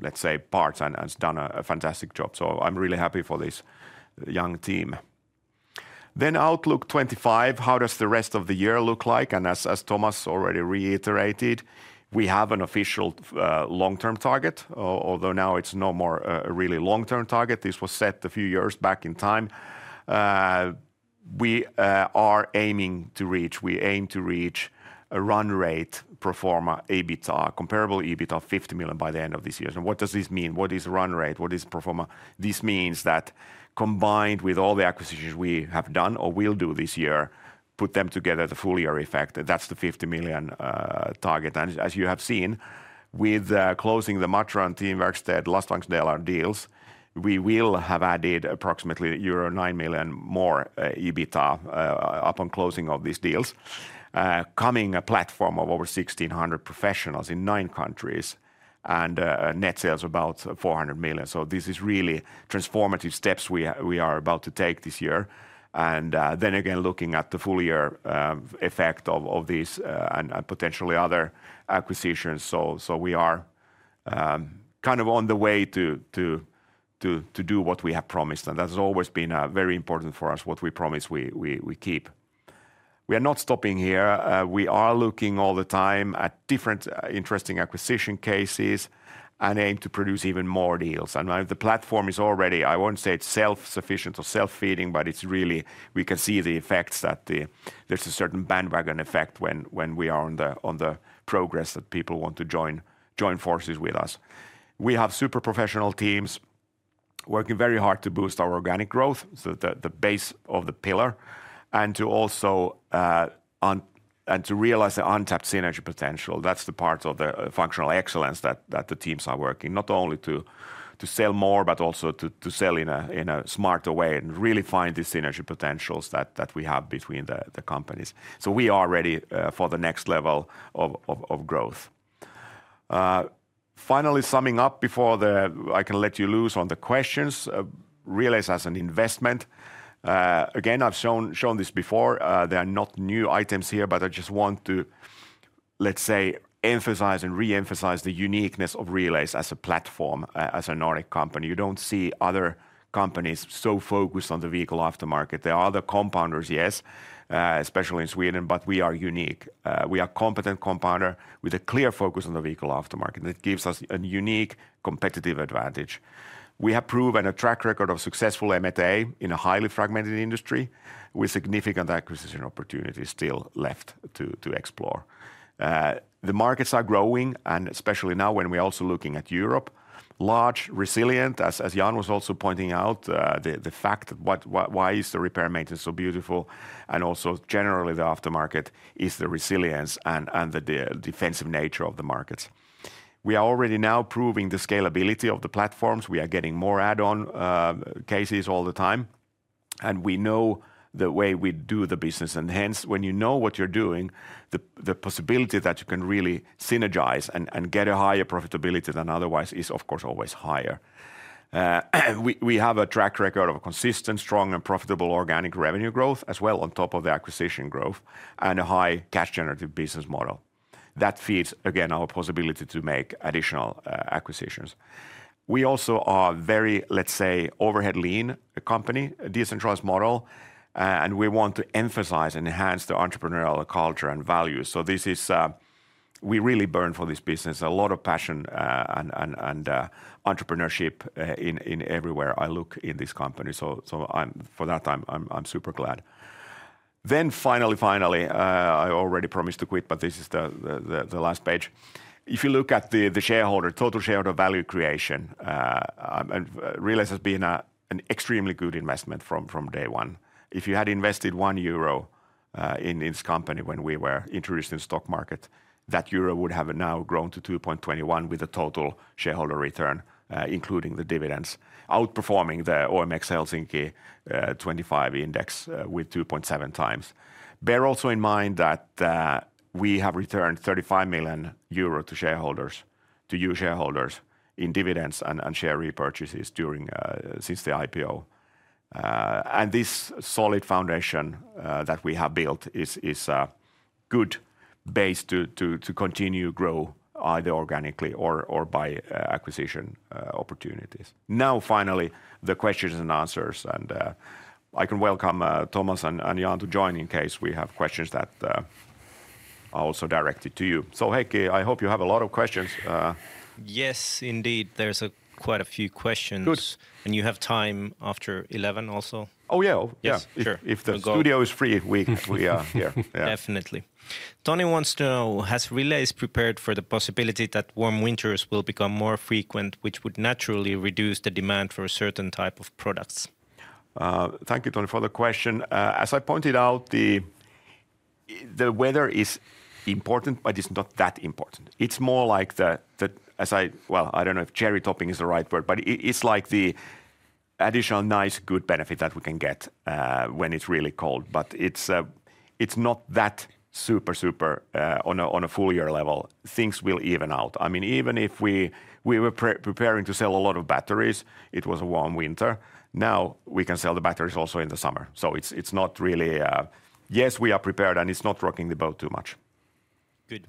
let's say, parts and has done a fantastic job. I am really happy for this young team. Outlook 2025, how does the rest of the year look like? As Thomas already reiterated, we have an official long-term target, although now it is no more a really long-term target. This was set a few years back in time. We are aiming to reach, we aim to reach a run rate performer EBITDA, comparable EBITDA of 50 million by the end of this year. What does this mean? What is run rate? What is performer? This means that combined with all the acquisitions we have done or will do this year, put them together at a full year effect, that's the 50 million target. As you have seen, with closing the Matro Group, Team Werkstedt, Lastvangs Delar deals, we will have added approximately euro 9 million more EBITDA upon closing of these deals, coming to a platform of over 1,600 professionals in nine countries and net sales of about 400 million. This is really transformative steps we are about to take this year. Again, looking at the full year effect of these and potentially other acquisitions. We are kind of on the way to do what we have promised. That has always been very important for us, what we promise we keep. We are not stopping here. We are looking all the time at different interesting acquisition cases and aim to produce even more deals. The platform is already, I won't say it's self-sufficient or self-feeding, but it's really, we can see the effects that there's a certain bandwagon effect when we are on the progress that people want to join forces with us. We have super professional teams working very hard to boost our organic growth, the base of the pillar, and to also realize the untapped synergy potential. That's the part of the functional excellence that the teams are working, not only to sell more, but also to sell in a smarter way and really find the synergy potentials that we have between the companies. We are ready for the next level of growth. Finally, summing up before I can let you loose on the questions, Relais as an investment. Again, I've shown this before. There are not new items here, but I just want to, let's say, emphasize and re-emphasize the uniqueness of Relais as a platform, as a Nordic company. You don't see other companies so focused on the vehicle aftermarket. There are other compounders, yes, especially in Sweden, but we are unique. We are a competent compounder with a clear focus on the vehicle aftermarket. It gives us a unique competitive advantage. We have proven a track record of successful M&A in a highly fragmented industry with significant acquisition opportunities still left to explore. The markets are growing, and especially now when we're also looking at Europe, large, resilient, as Jan was also pointing out, the fact that why is the repair maintenance so beautiful? And also generally the aftermarket is the resilience and the defensive nature of the markets. We are already now proving the scalability of the platforms. We are getting more add-on cases all the time. We know the way we do the business. Hence, when you know what you're doing, the possibility that you can really synergize and get a higher profitability than otherwise is, of course, always higher. We have a track record of consistent, strong, and profitable organic revenue growth as well on top of the acquisition growth and a high cash-generative business model that feeds, again, our possibility to make additional acquisitions. We also are a very, let's say, overhead-lean company, a decentralized model. We want to emphasize and enhance the entrepreneurial culture and values. This is, we really burn for this business, a lot of passion and entrepreneurship everywhere I look in this company. For that, I'm super glad. Finally, I already promised to quit, but this is the last page. If you look at the total shareholder value creation, Relais Group has been an extremely good investment from day one. If you had invested 1 euro in this company when we were introduced in the stock market, that euro would have now grown to 2.21 with a total shareholder return, including the dividends, outperforming the OMX Helsinki 25 index with 2.7 times. Bear also in mind that we have returned 35 million euro to shareholders, to you shareholders, in dividends and share repurchases since the IPO. This solid foundation that we have built is a good base to continue to grow either organically or by acquisition opportunities. Now, finally, the questions and answers. I can welcome Thomas and Jan to join in case we have questions that are also directed to you. Heikki, I hope you have a lot of questions. Yes, indeed. There's quite a few questions. You have time after 11 also? Oh yeah, yes. If the studio is free, we are here. Definitely. Tony wants to know, has Relais prepared for the possibility that warm winters will become more frequent, which would naturally reduce the demand for a certain type of products? Thank you, Tony, for the question. As I pointed out, the weather is important, but it's not that important. It's more like the, as I, I don't know if cherry topping is the right word, but it's like the additional nice good benefit that we can get when it's really cold. It's not that super, super on a full year level. Things will even out. I mean, even if we were preparing to sell a lot of batteries, it was a warm winter. Now we can sell the batteries also in the summer. So it's not really, yes, we are prepared and it's not rocking the boat too much. Good.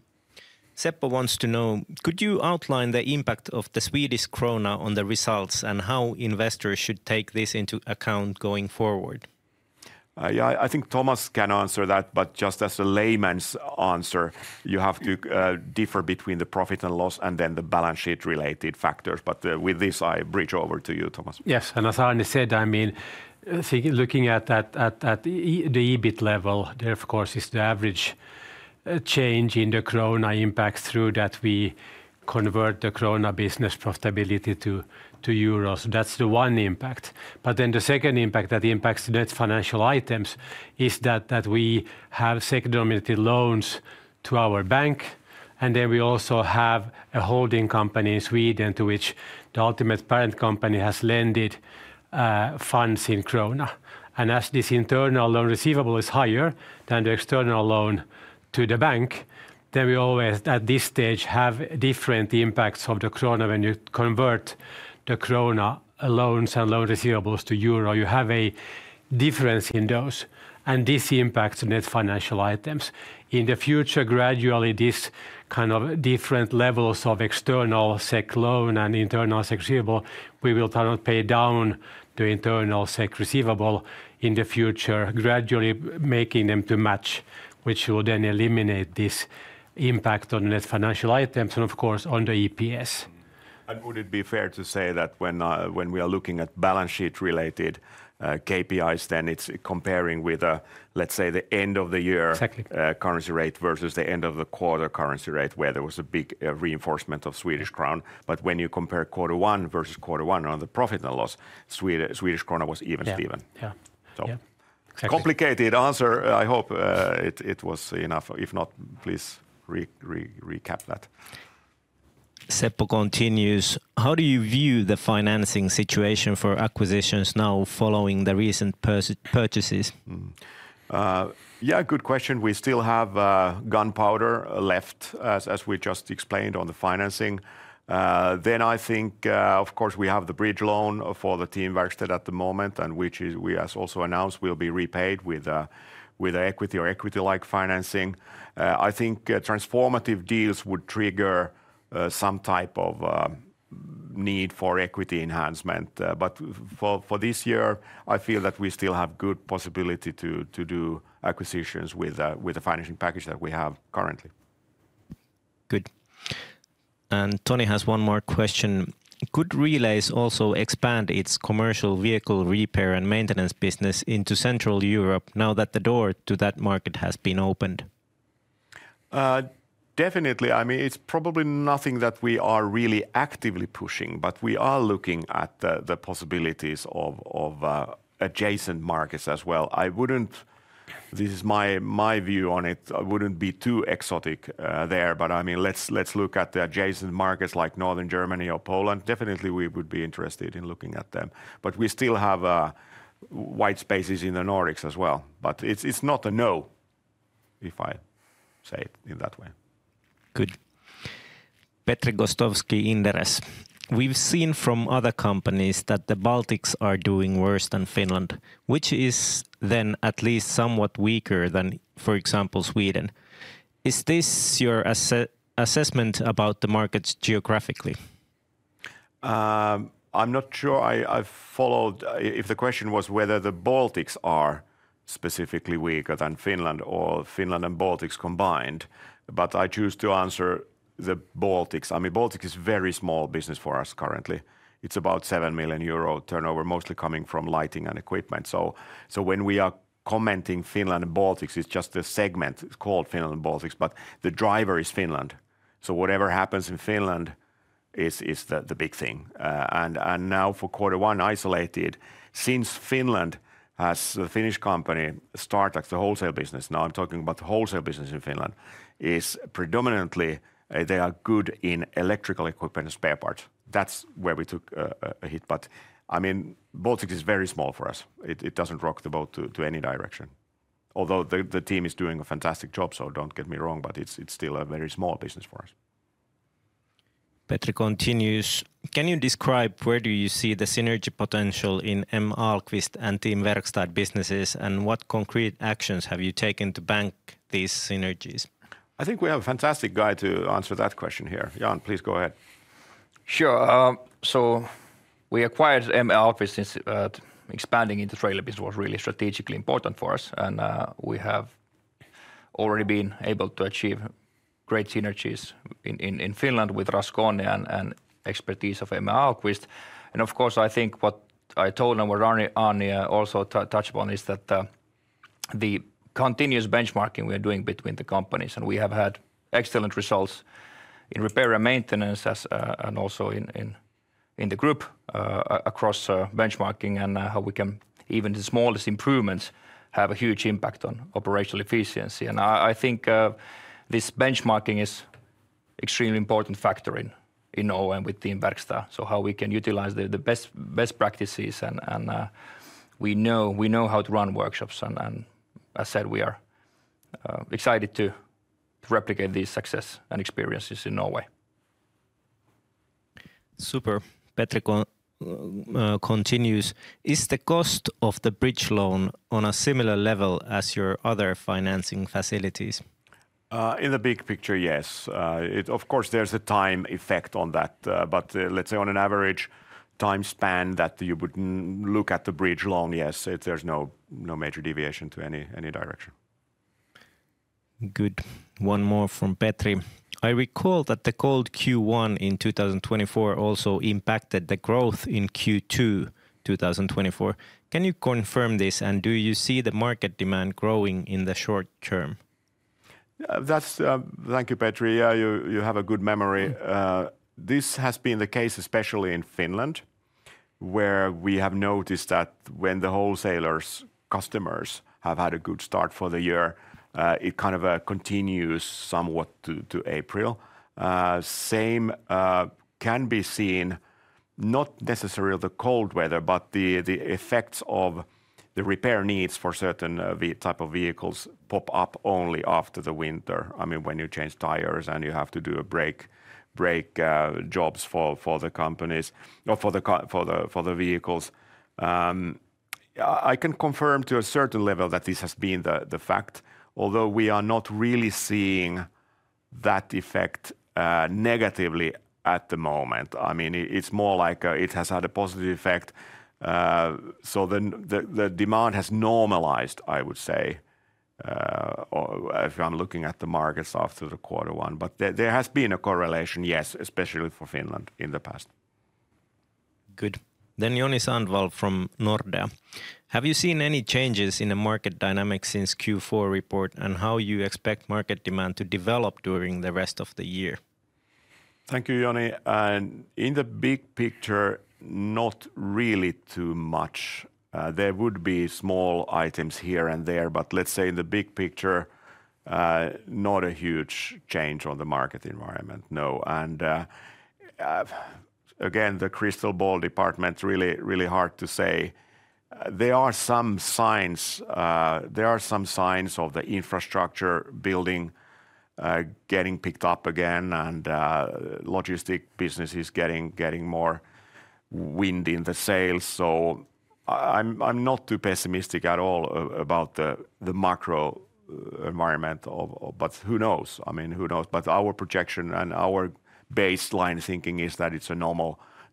Seppo wants to know, could you outline the impact of the Swedish krona on the results and how investors should take this into account going forward? Yeah, I think Thomas can answer that, but just as a layman's answer, you have to differ between the profit and loss and then the balance sheet related factors. But with this, I bridge over to you, Thomas. Yes, and as Arni said, I mean, looking at the EBIT level, there of course is the average change in the krona impact through that we convert the krona business profitability to euros. That's the one impact. But then the second impact that impacts net financial items is that we have secondary loans to our bank. We also have a holding company in Sweden to which the ultimate parent company has lent funds in krona. As this internal loan receivable is higher than the external loan to the bank, we always at this stage have different impacts of the krona when you convert the krona loans and loan receivables to euro. You have a difference in those. This impacts net financial items. In the future, gradually this kind of different levels of external SEK loan and internal SEK receivable, we will try to pay down the internal SEK receivable in the future, gradually making them match, which will then eliminate this impact on net financial items and of course on the EPS. Would it be fair to say that when we are looking at balance sheet related KPIs, then it is comparing with, let's say, the end of the year currency rate versus the end of the quarter currency rate where there was a big reinforcement of Swedish krona? When you compare quarter one versus quarter one on the profit and loss, Swedish krona was even steeper. Yeah, yeah. Complicated answer. I hope it was enough. If not, please recap that. Seppo continues, how do you view the financing situation for acquisitions now following the recent purchases? Good question. We still have gunpowder left, as we just explained on the financing. I think, of course, we have the bridge loan for the Team Werksted at the moment, and which we have also announced will be repaid with equity or equity-like financing. I think transformative deals would trigger some type of need for equity enhancement. For this year, I feel that we still have good possibility to do acquisitions with the financing package that we have currently. Good. Tony has one more question. Could Relais also expand its commercial vehicle repair and maintenance business into Central Europe now that the door to that market has been opened? Definitely. I mean, it's probably nothing that we are really actively pushing, but we are looking at the possibilities of adjacent markets as well. I wouldn't, this is my view on it, I wouldn't be too exotic there, but I mean, let's look at the adjacent markets like Northern Germany or Poland. Definitely, we would be interested in looking at them. We still have white spaces in the Nordics as well. But it's not a no, if I say it in that way. Good. Petri Gostovski, Inderes. We've seen from other companies that the Baltics are doing worse than Finland, which is then at least somewhat weaker than, for example, Sweden. Is this your assessment about the markets geographically? I'm not sure. I followed if the question was whether the Baltics are specifically weaker than Finland or Finland and Baltics combined. But I choose to answer the Baltics. I mean, Baltics is a very small business for us currently. It's about 7 million euro turnover, mostly coming from lighting and equipment. So when we are commenting Finland and Baltics, it's just a segment called Finland and Baltics, but the driver is Finland. So whatever happens in Finland is the big thing. For quarter one, isolated, since Finland has the Finnish company StarTrax, the wholesale business, now I'm talking about the wholesale business in Finland, is predominantly, they are good in electrical equipment and spare parts. That's where we took a hit. I mean, Baltics is very small for us. It does not rock the boat to any direction. Although the team is doing a fantastic job, so do not get me wrong, but it is still a very small business for us. Petri continues, can you describe where do you see the synergy potential in Ahlqvist and Team Werkstad businesses and what concrete actions have you taken to bank these synergies? I think we have a fantastic guy to answer that question here. Jan, please go ahead. Sure. We acquired Ahlqvist since expanding into trailer business was really strategically important for us. We have already been able to achieve great synergies in Finland with Raskonen and the expertise of Ahlqvist. Of course, I think what I told and what Arni also touched upon is that the continuous benchmarking we are doing between the companies, and we have had excellent results in repair and maintenance and also in the group across benchmarking and how even the smallest improvements have a huge impact on operational efficiency. I think this benchmarking is an extremely important factor in OEM with Team Werkstad. How we can utilize the best practices, and we know how to run workshops. As I said, we are excited to replicate these successes and experiences in Norway. Super. Petri continues, is the cost of the bridge loan on a similar level as your other financing facilities? In the big picture, yes. Of course, there's a time effect on that. Let's say on an average time span that you would look at the bridge loan, yes, there's no major deviation to any direction. Good. One more from Petri. I recall that the cold Q1 in 2024 also impacted the growth in Q2 2024. Can you confirm this and do you see the market demand growing in the short term? Thank you, Petri. You have a good memory. This has been the case, especially in Finland, where we have noticed that when the wholesalers' customers have had a good start for the year, it kind of continues somewhat to April. Same can be seen, not necessarily the cold weather, but the effects of the repair needs for certain types of vehicles pop up only after the winter. I mean, when you change tires and you have to do brake jobs for the companies or for the vehicles. I can confirm to a certain level that this has been the fact, although we are not really seeing that effect negatively at the moment. I mean, it is more like it has had a positive effect. So the demand has normalized, I would say, if I am looking at the markets after the quarter one. There has been a correlation, yes, especially for Finland in the past. Good. Then Joni Sandvall from Nordea. Have you seen any changes in the market dynamics since Q4 report and how you expect market demand to develop during the rest of the year? Thank you, Joni. In the big picture, not really too much. There would be small items here and there, but let's say in the big picture, not a huge change on the market environment, no. Again, the crystal ball department, really hard to say. There are some signs of the infrastructure building getting picked up again and logistic businesses getting more wind in the sails. I'm not too pessimistic at all about the macro environment, but who knows? I mean, who knows? Our projection and our baseline thinking is that it's a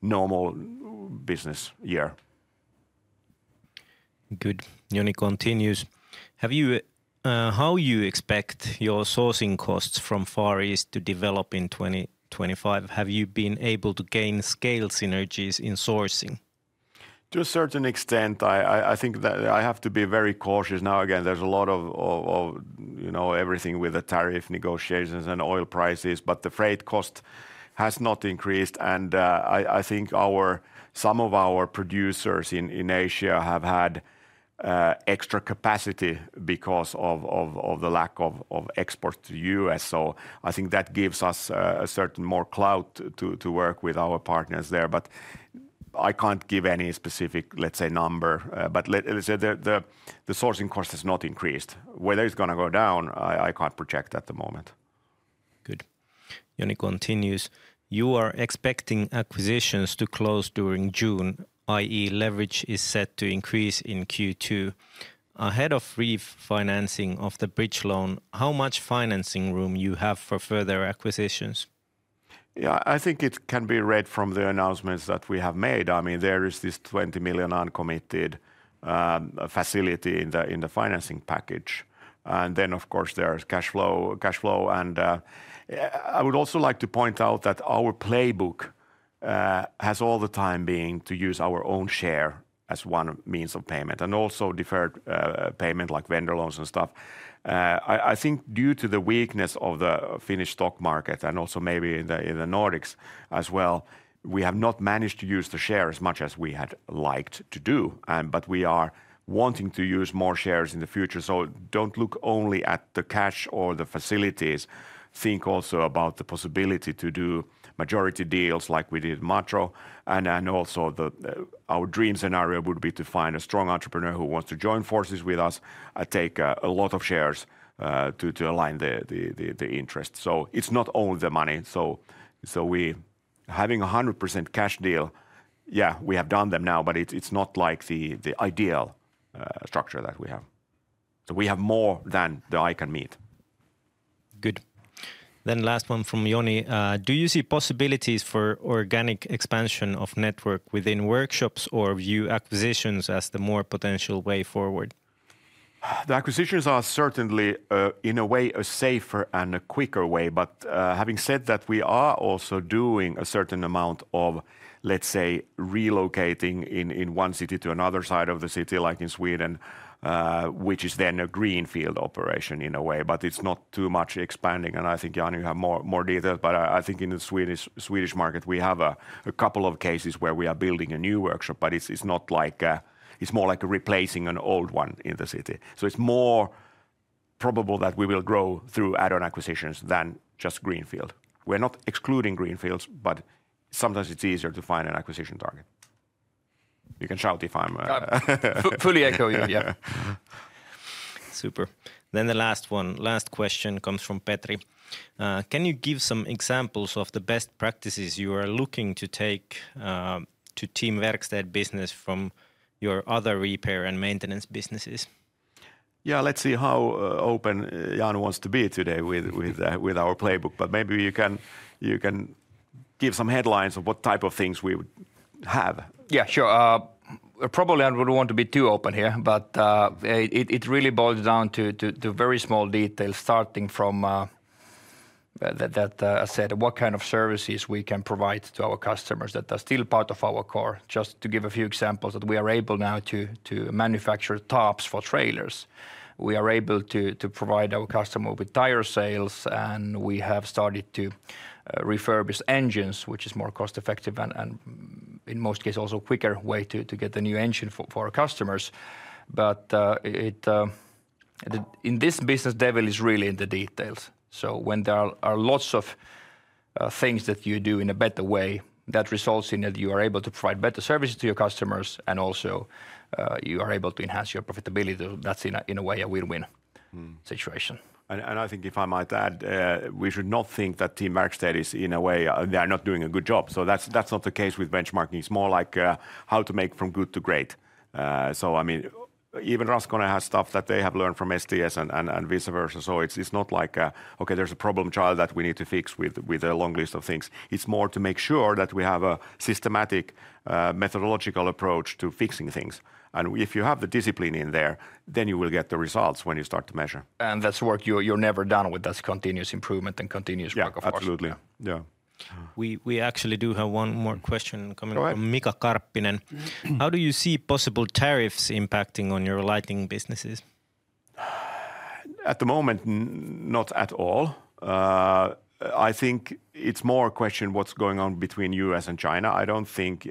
normal business year. Good. Joni continues. How do you expect your sourcing costs from Far East to develop in 2025? Have you been able to gain scale synergies in sourcing? To a certain extent, I think that I have to be very cautious. Now again, there's a lot of everything with the tariff negotiations and oil prices, but the freight cost has not increased. I think some of our producers in Asia have had extra capacity because of the lack of exports to the U.S. I think that gives us a certain more clout to work with our partners there. I cannot give any specific, let's say, number, but let's say the sourcing cost has not increased. Whether it is going to go down, I cannot project at the moment. Good. Joni continues. You are expecting acquisitions to close during June, i.e., leverage is set to increase in Q2. Ahead of refinancing of the bridge loan, how much financing room do you have for further acquisitions? I think it can be read from the announcements that we have made. I mean, there is this 20 million uncommitted facility in the financing package. And then, of course, there is cash flow. I would also like to point out that our playbook has all the time been to use our own share as one means of payment and also deferred payment like vendor loans and stuff. I think due to the weakness of the Finnish stock market and also maybe in the Nordics as well, we have not managed to use the share as much as we had liked to do. We are wanting to use more shares in the future. Do not look only at the cash or the facilities. Think also about the possibility to do majority deals like we did in Macro. Our dream scenario would be to find a strong entrepreneur who wants to join forces with us and take a lot of shares to align the interest. It is not only the money. Having a 100% cash deal, yeah, we have done them now, but it's not like the ideal structure that we have. We have more than the eye can meet. Good. Last one from Joni. Do you see possibilities for organic expansion of network within workshops or view acquisitions as the more potential way forward? The acquisitions are certainly in a way a safer and a quicker way. Having said that, we are also doing a certain amount of, let's say, relocating in one city to another side of the city, like in Sweden, which is then a greenfield operation in a way. It's not too much expanding. I think, Jani, you have more details. But I think in the Swedish market, we have a couple of cases where we are building a new workshop, but it's not like a, it's more like replacing an old one in the city. It is more probable that we will grow through add-on acquisitions than just greenfield. We are not excluding greenfields, but sometimes it's easier to find an acquisition target. You can shout if I'm... Fully echo you, yeah. Super. The last one, last question comes from Petri. Can you give some examples of the best practices you are looking to take to Team Werksted business from your other repair and maintenance businesses? Yeah, let's see how open Jan wants to be today with our playbook. But maybe you can give some headlines of what type of things we would have. Yeah, sure. Probably I wouldn't want to be too open here, but it really boils down to very small details starting from that I said, what kind of services we can provide to our customers that are still part of our core. Just to give a few examples that we are able now to manufacture tops for trailers. We are able to provide our customer with tire sales, and we have started to refurbish engines, which is more cost-effective and in most cases also a quicker way to get a new engine for our customers. In this business, the devil is really in the details. When there are lots of things that you do in a better way, that results in that you are able to provide better services to your customers and also you are able to enhance your profitability. That's in a way a win-win situation. I think if I might add, we should not think that Team Werksted is, in a way, they're not doing a good job. That is not the case with benchmarking. It is more like how to make from good to great. I mean, even Raskonen has stuff that they have learned from STS and vice versa. It is not like, okay, there is a problem child that we need to fix with a long list of things. It is more to make sure that we have a systematic, methodological approach to fixing things. If you have the discipline in there, then you will get the results when you start to measure. That is work you are never done with, that is continuous improvement and continuous work of course. Absolutely, yeah. We actually do have one more question coming from Mika Karppinen. How do you see possible tariffs impacting on your lighting businesses? At the moment, not at all. I think it's more a question of what's going on between the U.S. and China. I don't think,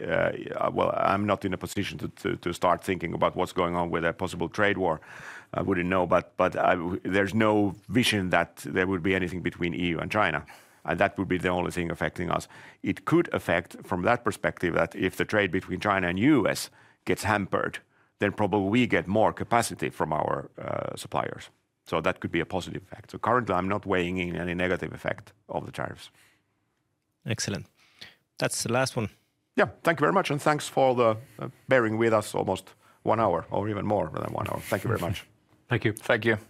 well, I'm not in a position to start thinking about what's going on with a possible trade war. I wouldn't know. There is no vision that there would be anything between the EU and China. That would be the only thing affecting us. It could affect from that perspective that if the trade between China and the U.S. gets hampered, then probably we get more capacity from our suppliers. That could be a positive effect. Currently, I'm not weighing in any negative effect of the tariffs. Excellent. That's the last one. Yeah, thank you very much. And thanks for bearing with us almost one hour or even more than one hour. Thank you very much. Thank you. Thank you.